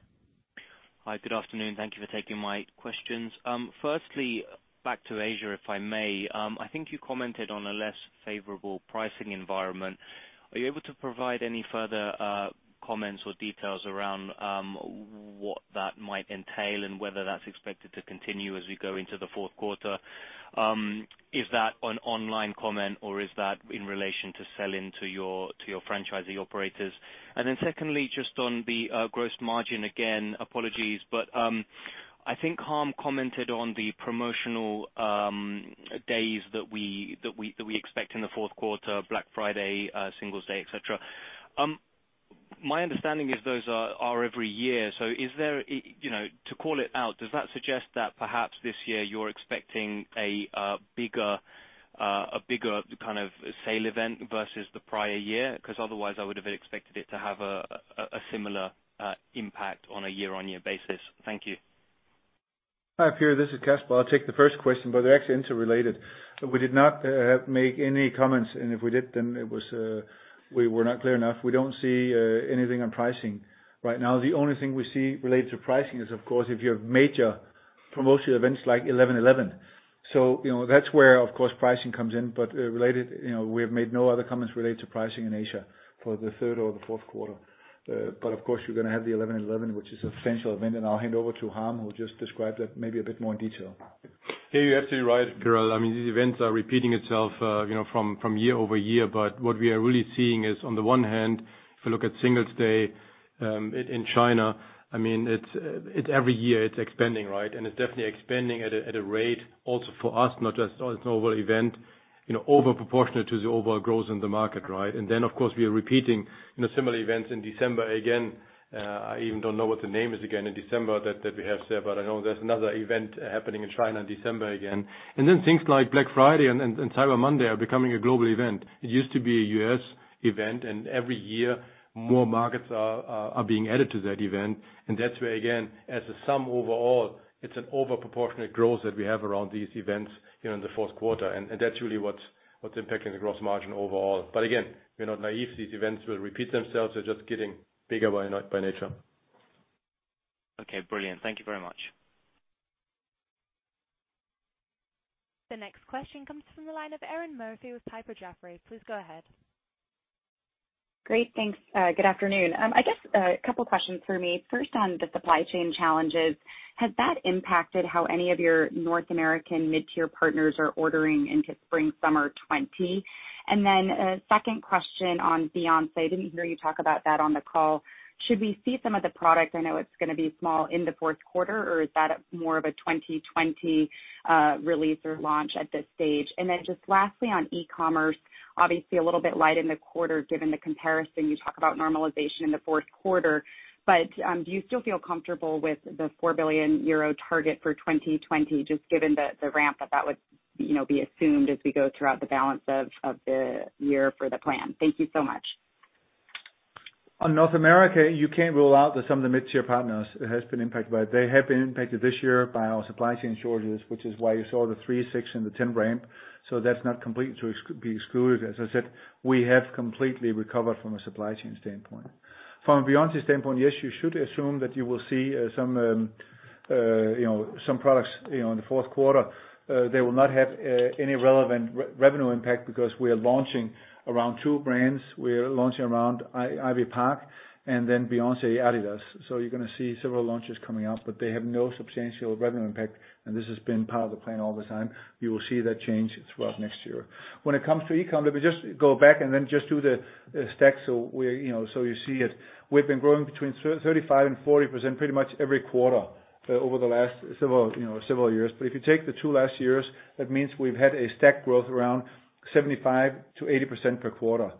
Hi, good afternoon. Thank you for taking my questions. Firstly, back to Asia, if I may. I think you commented on a less favorable pricing environment. Are you able to provide any further comments or details around what that might entail, and whether that's expected to continue as we go into the fourth quarter? Is that an online comment or is that in relation to sell into your franchisee operators? Secondly, just on the gross margin, again, apologies, but I think Harm commented on the promotional days that we expect in the fourth quarter, Black Friday, Singles Day, et cetera. My understanding is those are every year. To call it out, does that suggest that perhaps this year you're expecting a bigger kind of sale event versus the prior year? Otherwise, I would have expected it to have a similar impact on a year-on-year basis. Thank you. Hi, Piral. This is Kasper. I'll take the first question, but they're actually interrelated. We did not make any comments, and if we did, then we were not clear enough. We don't see anything on pricing right now. The only thing we see related to pricing is, of course, if you have major promotional events like 11.11. That's where, of course, pricing comes in. We have made no other comments related to pricing in Asia for the third or the fourth quarter. Of course, you're going to have the 11.11, which is a central event, and I'll hand over to Harm, who'll just describe that maybe a bit more in detail. Yeah, you're absolutely right, Piral. These events are repeating itself from year-over-year. What we are really seeing is, on the one hand, if you look at Singles Day in China, every year it's expanding, right? It's definitely expanding at a rate also for us, not just as an overall event, over proportionate to the overall growth in the market, right? Of course, we are repeating similar events in December again. I even don't know what the name is again in December that we have there, but I know there's another event happening in China in December again. Things like Black Friday and Cyber Monday are becoming a global event. It used to be a U.S. event, and every year, more markets are being added to that event. That's where, again, as a sum overall, it's an over proportionate growth that we have around these events in the fourth quarter. That's really what's impacting the gross margin overall. Again, we're not naive. These events will repeat themselves. They're just getting bigger by nature. Okay, brilliant. Thank you very much. The next question comes from the line of Erinn Murphy with Piper Jaffray. Please go ahead. Great. Thanks. Good afternoon. I guess a couple questions for me. First, on the supply chain challenges, has that impacted how any of your North American mid-tier partners are ordering into spring, summer 2020? A second question on Beyoncé. I didn't hear you talk about that on the call. Should we see some of the product, I know it's going to be small in the fourth quarter, or is that more of a 2020 release or launch at this stage? Just lastly, on e-commerce, obviously a little bit light in the quarter given the comparison. You talk about normalization in the fourth quarter, but do you still feel comfortable with the 4 billion euro target for 2020, just given the ramp that would be assumed as we go throughout the balance of the year for the plan? Thank you so much. North America, you can't rule out that some of the mid-tier partners has been impacted by it. They have been impacted this year by our supply chain shortages, which is why you saw the three, six, and the 10 ramp. That's not completely to be excluded. As I said, we have completely recovered from a supply chain standpoint. From a Beyoncé standpoint, yes, you should assume that you will see some products in the fourth quarter. They will not have any relevant revenue impact because we are launching around two brands. We are launching around IVY PARK and then Beyoncé adidas. You're going to see several launches coming out. They have no substantial revenue impact, and this has been part of the plan all the time. You will see that change throughout next year. When it comes to e-com, let me just go back and then just do the stack so you see it. We've been growing between 35% and 40% pretty much every quarter over the last several years. If you take the two last years, that means we've had a stack growth around 75%-80% per quarter,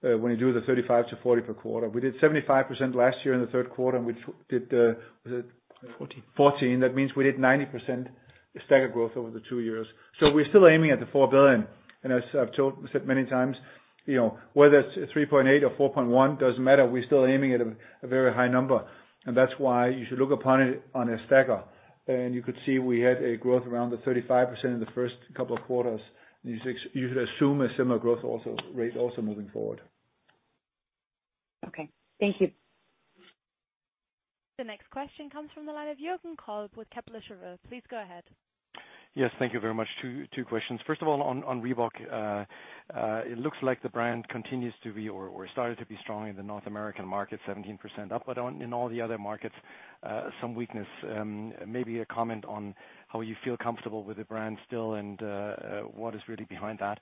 when you do the 35%-40% per quarter. We did 75% last year in the third quarter. 14. That means we did 90% stacked growth over the two years. We're still aiming at the 4 billion. As I've said many times, whether it's 3.8 or 4.1, doesn't matter. We're still aiming at a very high number. That's why you should look upon it on a stacker. You could see we had a growth around the 35% in the first couple of quarters. You should assume a similar growth rate also moving forward. Okay. Thank you. The next question comes from the line of Jürgen Kolb with Kepler Cheuvreux. Please go ahead. Yes, thank you very much. Two questions. On Reebok, it looks like the brand continues to be, or started to be strong in the North American market, 17% up, but in all the other markets, some weakness. Maybe a comment on how you feel comfortable with the brand still and what is really behind that.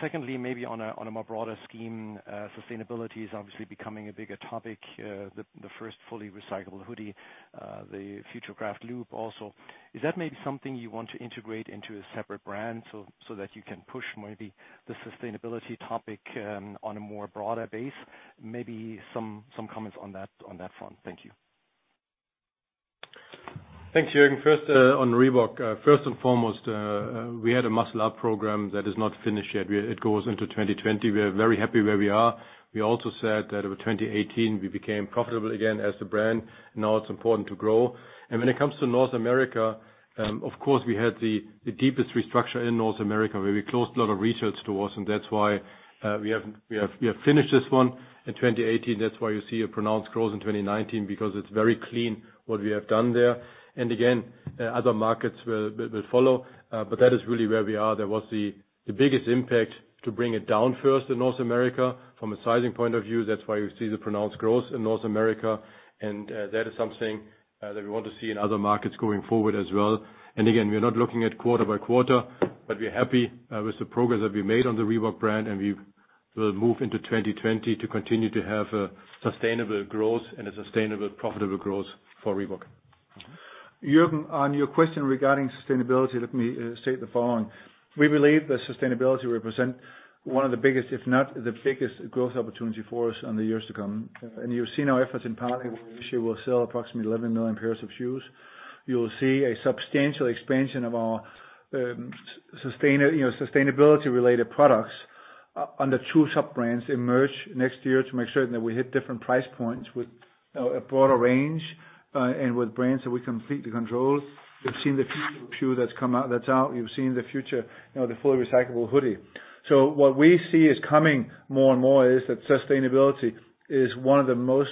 Secondly, maybe on a more broader scheme, sustainability is obviously becoming a bigger topic. The first fully recyclable hoodie, the Futurecraft Loop also. Is that maybe something you want to integrate into a separate brand so that you can push maybe the sustainability topic on a more broader base? Maybe some comments on that front. Thank you. Thanks, Jürgen. First on Reebok. First and foremost, we had a Muscle Up program that is not finished yet. It goes into 2020. We are very happy where we are. We also said that over 2018, we became profitable again as a brand, now it's important to grow. When it comes to North America, of course, we had the deepest restructure in North America, where we closed a lot of retail stores, and that's why we have finished this one in 2018. That's why you see a pronounced growth in 2019, because it's very clean what we have done there. Again, other markets will follow. That is really where we are. There was the biggest impact to bring it down first in North America from a sizing point of view. That's why you see the pronounced growth in North America, and that is something that we want to see in other markets going forward as well. Again, we're not looking at quarter by quarter, but we're happy with the progress that we made on the Reebok brand, and we will move into 2020 to continue to have a sustainable growth and a sustainable profitable growth for Reebok. Jürgen, on your question regarding sustainability, let me state the following. We believe that sustainability represent one of the biggest, if not the biggest, growth opportunity for us in the years to come. You've seen our efforts in Parley, where this year we'll sell approximately 11 million pairs of shoes. You will see a substantial expansion of our sustainability-related products under two sub-brands emerge next year to make certain that we hit different price points with a broader range, and with brands that we completely control. You've seen the Futurecraft shoe that's out. You've seen the fully recyclable hoodie. What we see is coming more and more is that sustainability is one of the most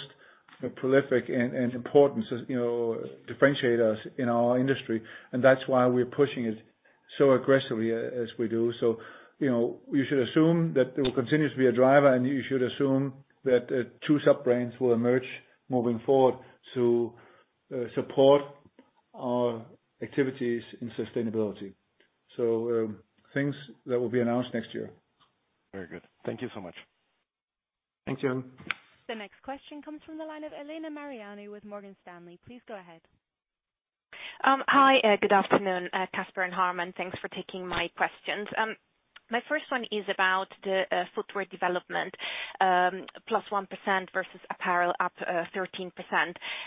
prolific and important differentiators in our industry, and that's why we're pushing it so aggressively as we do. You should assume that there will continue to be a driver, and you should assume that two sub-brands will emerge moving forward to support our activities in sustainability. Things that will be announced next year. Very good. Thank you so much. Thanks, Jürgen. The next question comes from the line of Elena Mariani with Morgan Stanley. Please go ahead. Hi. Good afternoon, Kasper and Harm. Thanks for taking my questions. My first 1 is about the footwear development, +1% versus apparel up 13%.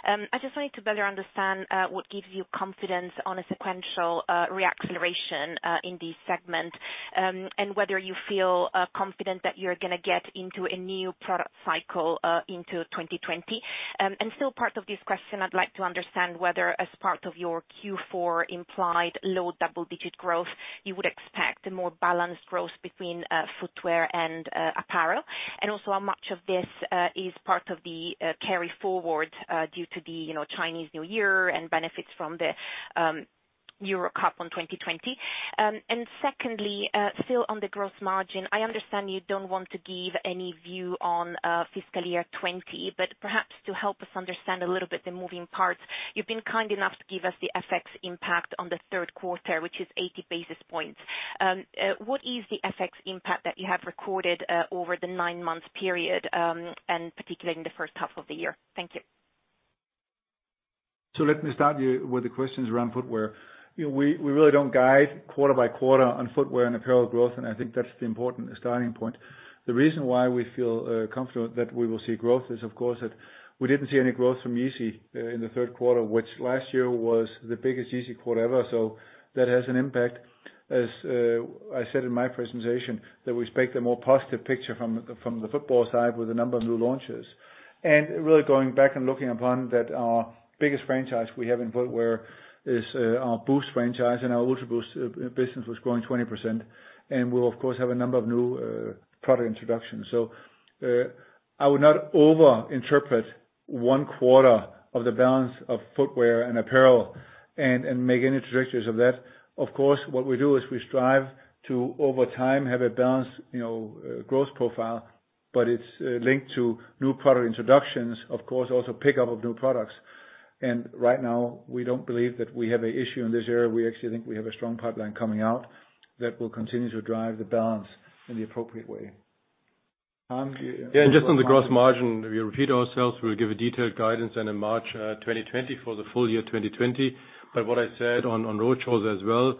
I just wanted to better understand what gives you confidence on a sequential re-acceleration in this segment, and whether you feel confident that you're going to get into a new product cycle into 2020. Still part of this question, I'd like to understand whether, as part of your Q4 implied low double-digit growth, you would expect a more balanced growth between footwear and apparel. Also how much of this is part of the carry-forward due to the Chinese New Year and benefits from the Euro Cup on 2020. Secondly, still on the gross margin, I understand you don't want to give any view on fiscal year 2020, but perhaps to help us understand a little bit the moving parts, you've been kind enough to give us the FX impact on the third quarter, which is 80 basis points. What is the FX impact that you have recorded over the nine-month period, and particularly in the first half of the year? Thank you. Let me start with the questions around footwear. We really don't guide quarter by quarter on footwear and apparel growth, and I think that's the important starting point. The reason why we feel confident that we will see growth is, of course, that we didn't see any growth from Yeezy in the third quarter, which last year was the biggest Yeezy quarter ever. That has an impact, as I said in my presentation, that we expect a more positive picture from the football side with a number of new launches. Really going back and looking upon that our biggest franchise we have in footwear is our Boost franchise, and our Ultraboost business was growing 20%. We'll of course have a number of new product introductions. I would not over-interpret one quarter of the balance of footwear and apparel and make any predictions of that. Of course, what we do is we strive to, over time, have a balanced growth profile. It's linked to new product introductions, of course, also pickup of new products. Right now we don't believe that we have an issue in this area. We actually think we have a strong pipeline coming out that will continue to drive the balance in the appropriate way. Tom, do you- Just on the gross margin, we repeat ourselves, we'll give a detailed guidance then in March 2020 for the full year 2020. What I said on road shows as well,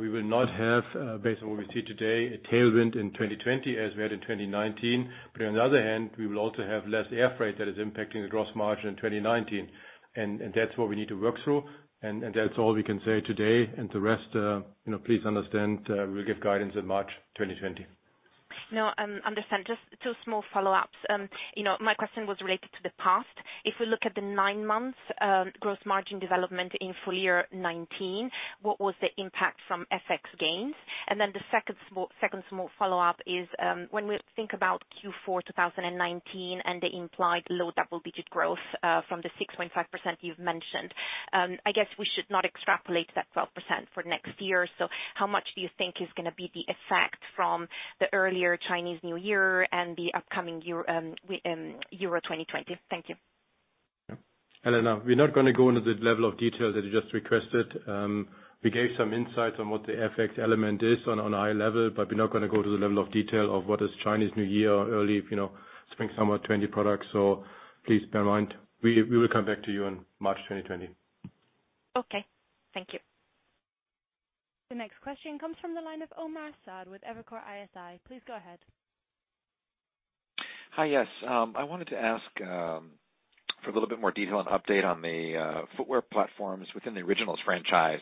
we will not have, based on what we see today, a tailwind in 2020 as we had in 2019. On the other hand, we will also have less air freight that is impacting the gross margin in 2019. That's what we need to work through, and that's all we can say today. The rest, please understand, we'll give guidance in March 2020. No, understand. Just two small follow-ups. My question was related to the past. If we look at the nine months gross margin development in full year 2019, what was the impact from FX gains? The second small follow-up is, when we think about Q4 2019 and the implied low double-digit growth from the 6.5% you've mentioned. I guess we should not extrapolate that 12% for next year. How much do you think is going to be the effect from the earlier Chinese New Year and the upcoming Euro 2020? Thank you. Elena, we're not going to go into the level of detail that you just requested. We gave some insights on what the FX element is on a high level, we're not going to go to the level of detail of what is Chinese New Year early, spring/summer 2020 products. Please bear in mind, we will come back to you on March 2020. Okay. Thank you. The next question comes from the line of Omar Saad with Evercore ISI. Please go ahead. Hi. Yes. I wanted to ask for a little bit more detail and update on the footwear platforms within the Originals franchise.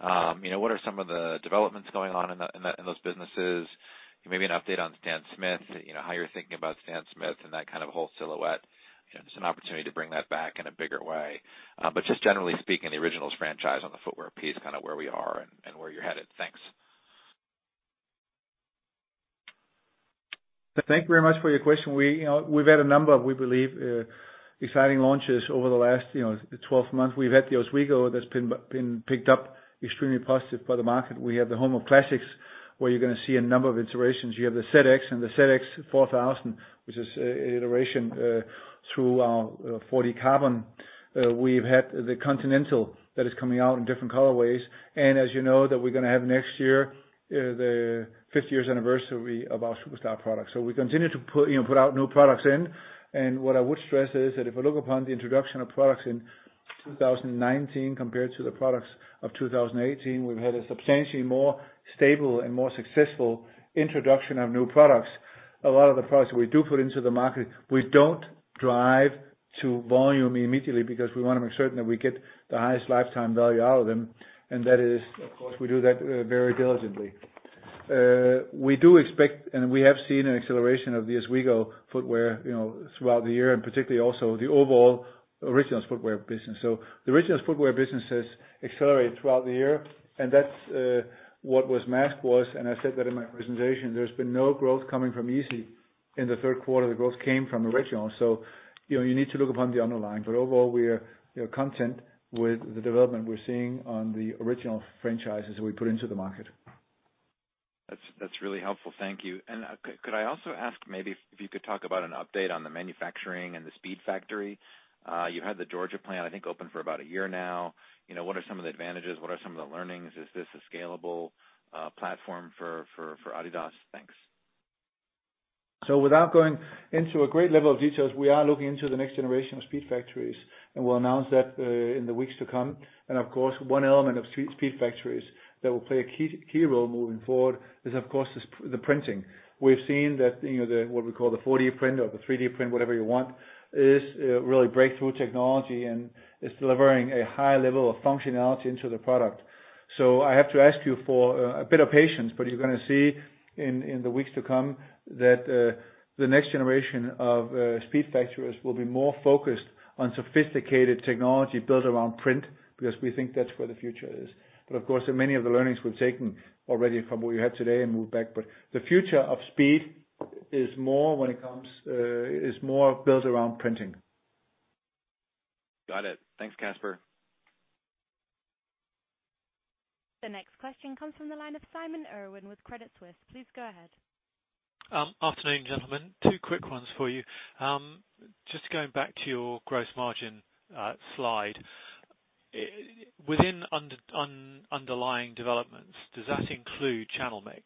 What are some of the developments going on in those businesses? Maybe an update on Stan Smith, how you're thinking about Stan Smith and that kind of whole silhouette, if there's an opportunity to bring that back in a bigger way. Just generally speaking, the Originals franchise on the footwear piece, kind of where we are and where you're headed. Thanks. Thank you very much for your question. We've had a number of, we believe, exciting launches over the last 12 months. We've had the Ozweego that's been picked up extremely positive by the market. We have the Home of Classics, where you're going to see a number of iterations. You have the ZX and the ZX 4000, which is iteration through our 4D Carbon. We've had the Continental that is coming out in different colorways. As you know, that we're going to have next year, the 50 years anniversary of our Superstar product. We continue to put out new products in. What I would stress is that if I look upon the introduction of products in 2019 compared to the products of 2018, we've had a substantially more stable and more successful introduction of new products. A lot of the products we do put into the market, we don't drive to volume immediately because we want to make certain that we get the highest lifetime value out of them. That is, of course, we do that very diligently. We do expect, and we have seen an acceleration of the Ozweego footwear throughout the year, and particularly also the overall Originals footwear business. The Originals footwear business has accelerated throughout the year, and that's what was masked was, and I said that in my presentation, there's been no growth coming from Yeezy in the third quarter. The growth came from Originals. You need to look upon the underlying. Overall, we are content with the development we're seeing on the Originals franchises we put into the market. That's really helpful. Thank you. Could I also ask maybe if you could talk about an update on the manufacturing and the Speedfactory? You had the Georgia plant, I think, open for about a year now. What are some of the advantages? What are some of the learnings? Is this a scalable platform for adidas? Thanks. Without going into a great level of details, we are looking into the next generation of Speedfactories, and we'll announce that in the weeks to come. Of course, one element of Speedfactories that will play a key role moving forward is, of course, the printing. We've seen that what we call the 4D print or the 3D print, whatever you want, is really breakthrough technology and is delivering a high level of functionality into the product. I have to ask you for a bit of patience, but you're going to see in the weeks to come that the next generation of Speedfactories will be more focused on sophisticated technology built around print, because we think that's where the future is. Of course, many of the learnings we've taken already from what we had today and moved back. The future of Speed is more built around Printing. Got it. Thanks, Kasper. The next question comes from the line of Simon Irwin with Credit Suisse. Please go ahead. Afternoon, gentlemen. Two quick ones for you. Going back to your gross margin slide. Within underlying developments, does that include channel mix?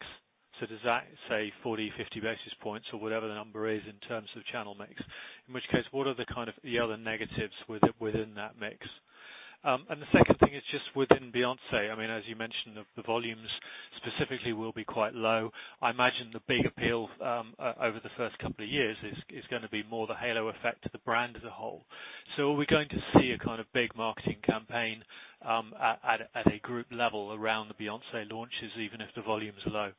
Does that say 40, 50 basis points or whatever the number is in terms of channel mix? In which case, what are the other negatives within that mix? The second thing is just within Beyoncé. As you mentioned, the volumes specifically will be quite low. I imagine the big appeal over the first couple of years is going to be more the halo effect to the brand as a whole. Are we going to see a kind of big marketing campaign at a group level around the Beyoncé launches, even if the volume is low?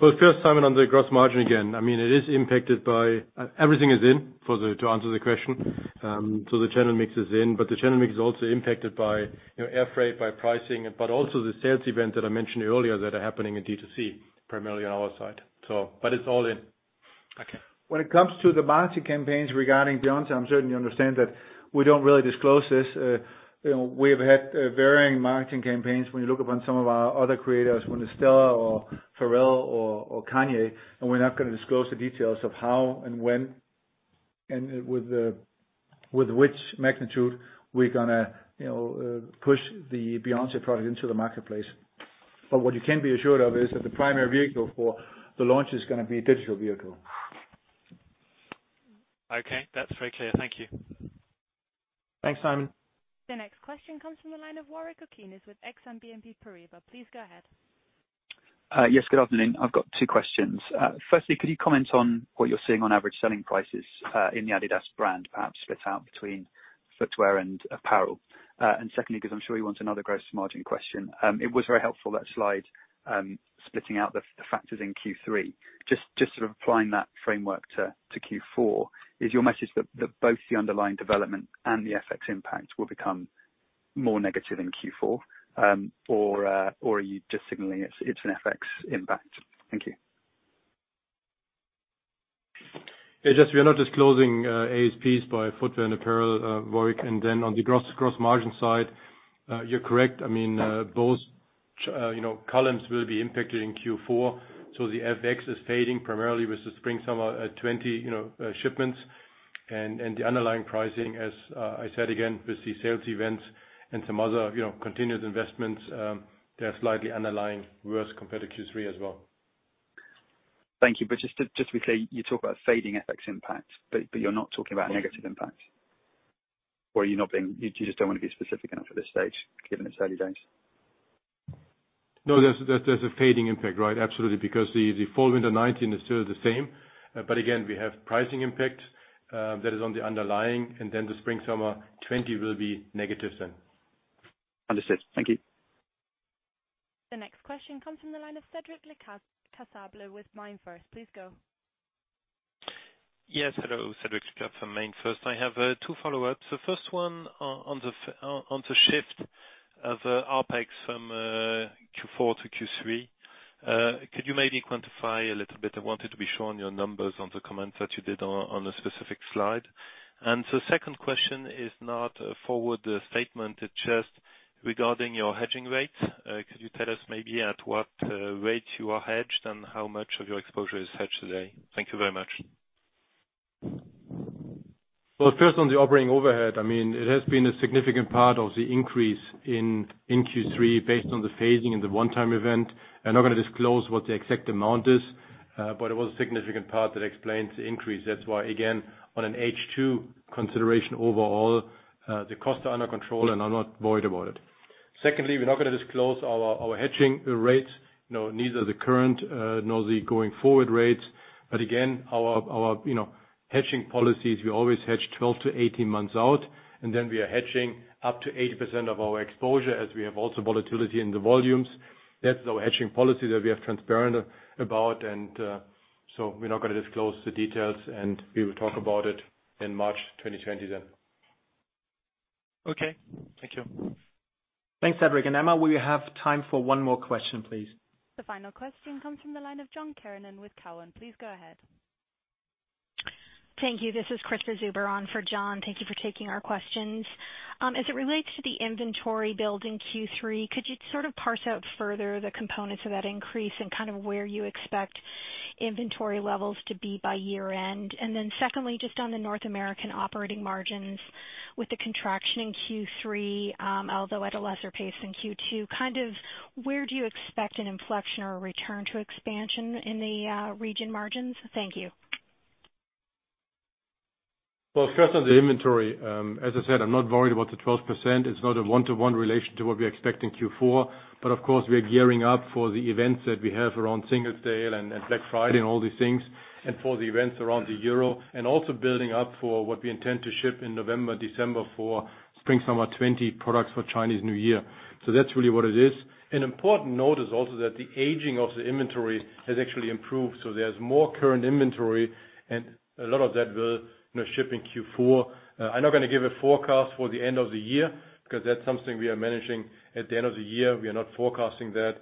First, Simon, on the gross margin again. Everything is in, to answer the question. The channel mix is in, but the channel mix is also impacted by air freight, by pricing, but also the sales event that I mentioned earlier that are happening in D2C, primarily on our side. It's all in. When it comes to the marketing campaigns regarding Beyoncé, I'm certain you understand that we don't really disclose this. We have had varying marketing campaigns when you look upon some of our other creators, whether it's Stella or Pharrell or Kanye, and we're not going to disclose the details of how and when and with which magnitude we're going to push the Beyoncé product into the marketplace. What you can be assured of is that the primary vehicle for the launch is going to be a digital vehicle. Okay, that's very clear. Thank you. Thanks, Simon. The next question comes from the line of Warwick Okines with Exane BNP Paribas. Please go ahead. Yes, good afternoon. I've got two questions. Firstly, could you comment on what you're seeing on average selling prices in the adidas brand, perhaps split out between footwear and apparel? Secondly, because I'm sure you want another gross margin question. It was very helpful, that slide splitting out the factors in Q3. Just sort of applying that framework to Q4, is your message that both the underlying development and the FX impact will become more negative in Q4? Are you just signaling it's an FX impact? Thank you. Yes, we are not disclosing ASPs by footwear and apparel, Warwick. On the gross margin side, you're correct. Those columns will be impacted in Q4. The FX is fading primarily with the spring/summer 2020 shipments and the underlying pricing, as I said, again, with the sales events and some other continued investments, they are slightly underlying worse compared to Q3 as well. Thank you. Just to be clear, you talk about fading FX impacts, but you're not talking about negative impacts. Or you just don't want to be specific enough at this stage, given it's early days? No, there's a fading impact, right. Absolutely. The fall/winter 2019 is still the same. Again, we have pricing impact that is on the underlying, and then the spring/summer 2020 will be negative then. Understood. Thank you. The next question comes from the line of Cedric Lecasble with MainFirst. Please go. Yes, hello, Cedric Lecasble from MainFirst. I have two follow-ups. The first one on the shift of OpEx from Q4 to Q3. Could you maybe quantify a little bit? I want it to be shown your numbers on the comments that you did on the specific slide. The second question is not a forward statement, it is just regarding your hedging rates. Could you tell us maybe at what rate you are hedged and how much of your exposure is hedged today? Thank you very much. Well, first on the operating overhead, it has been a significant part of the increase in Q3 based on the phasing and the one-time event. I'm not going to disclose what the exact amount is, but it was a significant part that explains the increase. That's why, again, on an H2 consideration overall, the costs are under control and I'm not worried about it. Secondly, we're not going to disclose our hedging rates, neither the current nor the going-forward rates. Again, our hedging policies, we always hedge 12 to 18 months out, and then we are hedging up to 80% of our exposure as we have also volatility in the volumes. That's our hedging policy that we are transparent about, and so we're not going to disclose the details, and we will talk about it in March 2020 then. Okay. Thank you. Thanks, Cedric. Emma, we have time for one more question, please. The final question comes from the line of Krista Zuber with Cowen. Please go ahead. Thank you. This is Krista Zuber on for John. Thank you for taking our questions. As it relates to the inventory build in Q3, could you sort of parse out further the components of that increase and kind of where you expect inventory levels to be by year-end? Secondly, just on the North American operating margins with the contraction in Q3, although at a lesser pace than Q2, where do you expect an inflection or a return to expansion in the region margins? Thank you. Well, first on the inventory, as I said, I'm not worried about the 12%. It's not a one-to-one relation to what we expect in Q4. Of course, we are gearing up for the events that we have around Singles Day and Black Friday and all these things, and for the events around the Euro, and also building up for what we intend to ship in November, December for spring/summer 2020 products for Chinese New Year. That's really what it is. An important note is also that the aging of the inventory has actually improved, so there's more current inventory, and a lot of that will ship in Q4. I'm not going to give a forecast for the end of the year because that's something we are managing at the end of the year. We are not forecasting that.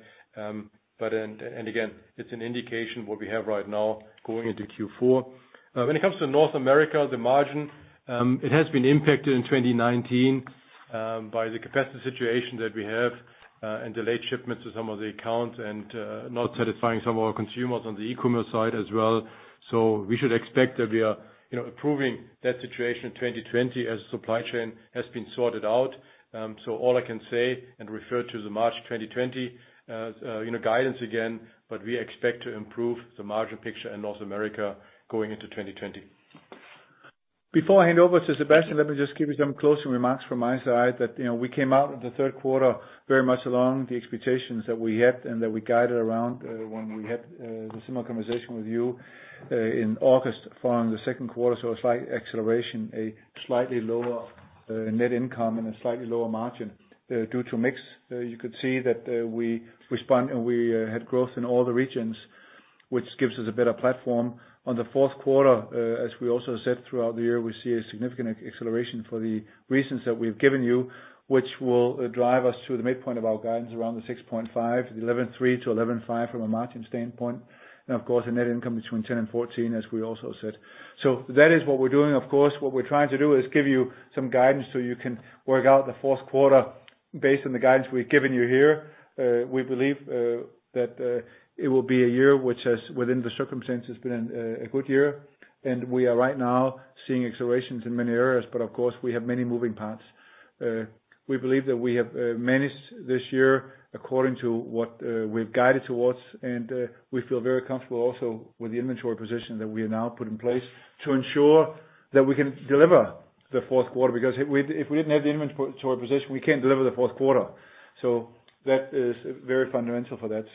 Again, it's an indication what we have right now going into Q4. When it comes to North America, the margin, it has been impacted in 2019 by the capacity situation that we have and delayed shipments to some of the accounts and not satisfying some of our consumers on the e-commerce side as well. We should expect that we are improving that situation in 2020 as supply chain has been sorted out. All I can say and refer to the March 2020 guidance again, but we expect to improve the margin picture in North America going into 2020. Before I hand over to Sebastian, let me just give you some closing remarks from my side that we came out of the third quarter very much along the expectations that we had and that we guided around when we had the similar conversation with you in August following the second quarter. A slight acceleration, a slightly lower net income and a slightly lower margin due to mix. You could see that we respond and we had growth in all the regions. Which gives us a better platform. On the fourth quarter, as we also said throughout the year, we see a significant acceleration for the reasons that we've given you, which will drive us to the midpoint of our guidance around the 6.5%, 11.3%-11.5% from a margin standpoint. Of course, a net income between 10 and 14, as we also said. That is what we're doing. Of course, what we're trying to do is give you some guidance so you can work out the fourth quarter based on the guidance we've given you here. We believe that it will be a year which has, within the circumstances, been a good year, and we are right now seeing accelerations in many areas, but of course we have many moving parts. We believe that we have managed this year according to what we've guided towards, and we feel very comfortable also with the inventory position that we have now put in place to ensure that we can deliver the fourth quarter. If we didn't have the inventory position, we can't deliver the fourth quarter. That is very fundamental for that.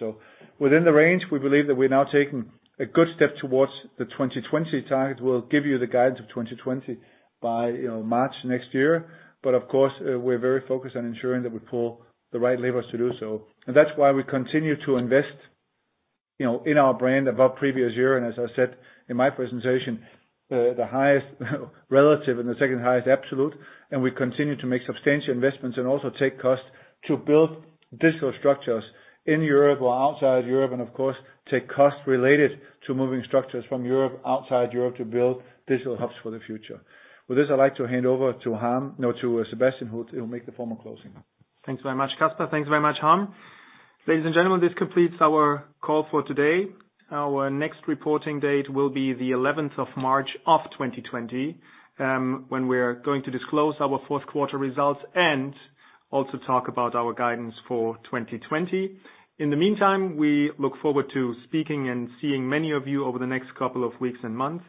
Within the range, we believe that we're now taking a good step towards the 2020 target. We'll give you the guidance of 2020 by March next year. Of course, we're very focused on ensuring that we pull the right levers to do so. That's why we continue to invest in our brand above previous year. As I said in my presentation, the highest relative and the second highest absolute, and we continue to make substantial investments and also take costs to build digital structures in Europe or outside Europe, and of course, take costs related to moving structures from Europe, outside Europe, to build digital hubs for the future. With this, I'd like to hand over to Sebastian, who will make the formal closing. Thanks very much, Kasper. Thanks very much, Harm. Ladies and gentlemen, this completes our call for today. Our next reporting date will be the 11th of March of 2020, when we're going to disclose our fourth quarter results and also talk about our guidance for 2020. In the meantime, we look forward to speaking and seeing many of you over the next couple of weeks and months.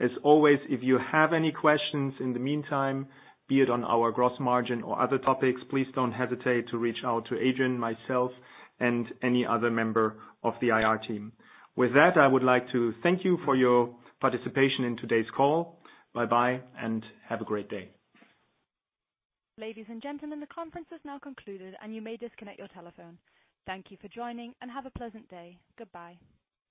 As always, if you have any questions in the meantime, be it on our gross margin or other topics, please don't hesitate to reach out to Adrian, myself, and any other member of the IR team. With that, I would like to thank you for your participation in today's call. Bye-bye, and have a great day. Ladies and gentlemen, the conference is now concluded and you may disconnect your telephone. Thank you for joining and have a pleasant day. Goodbye.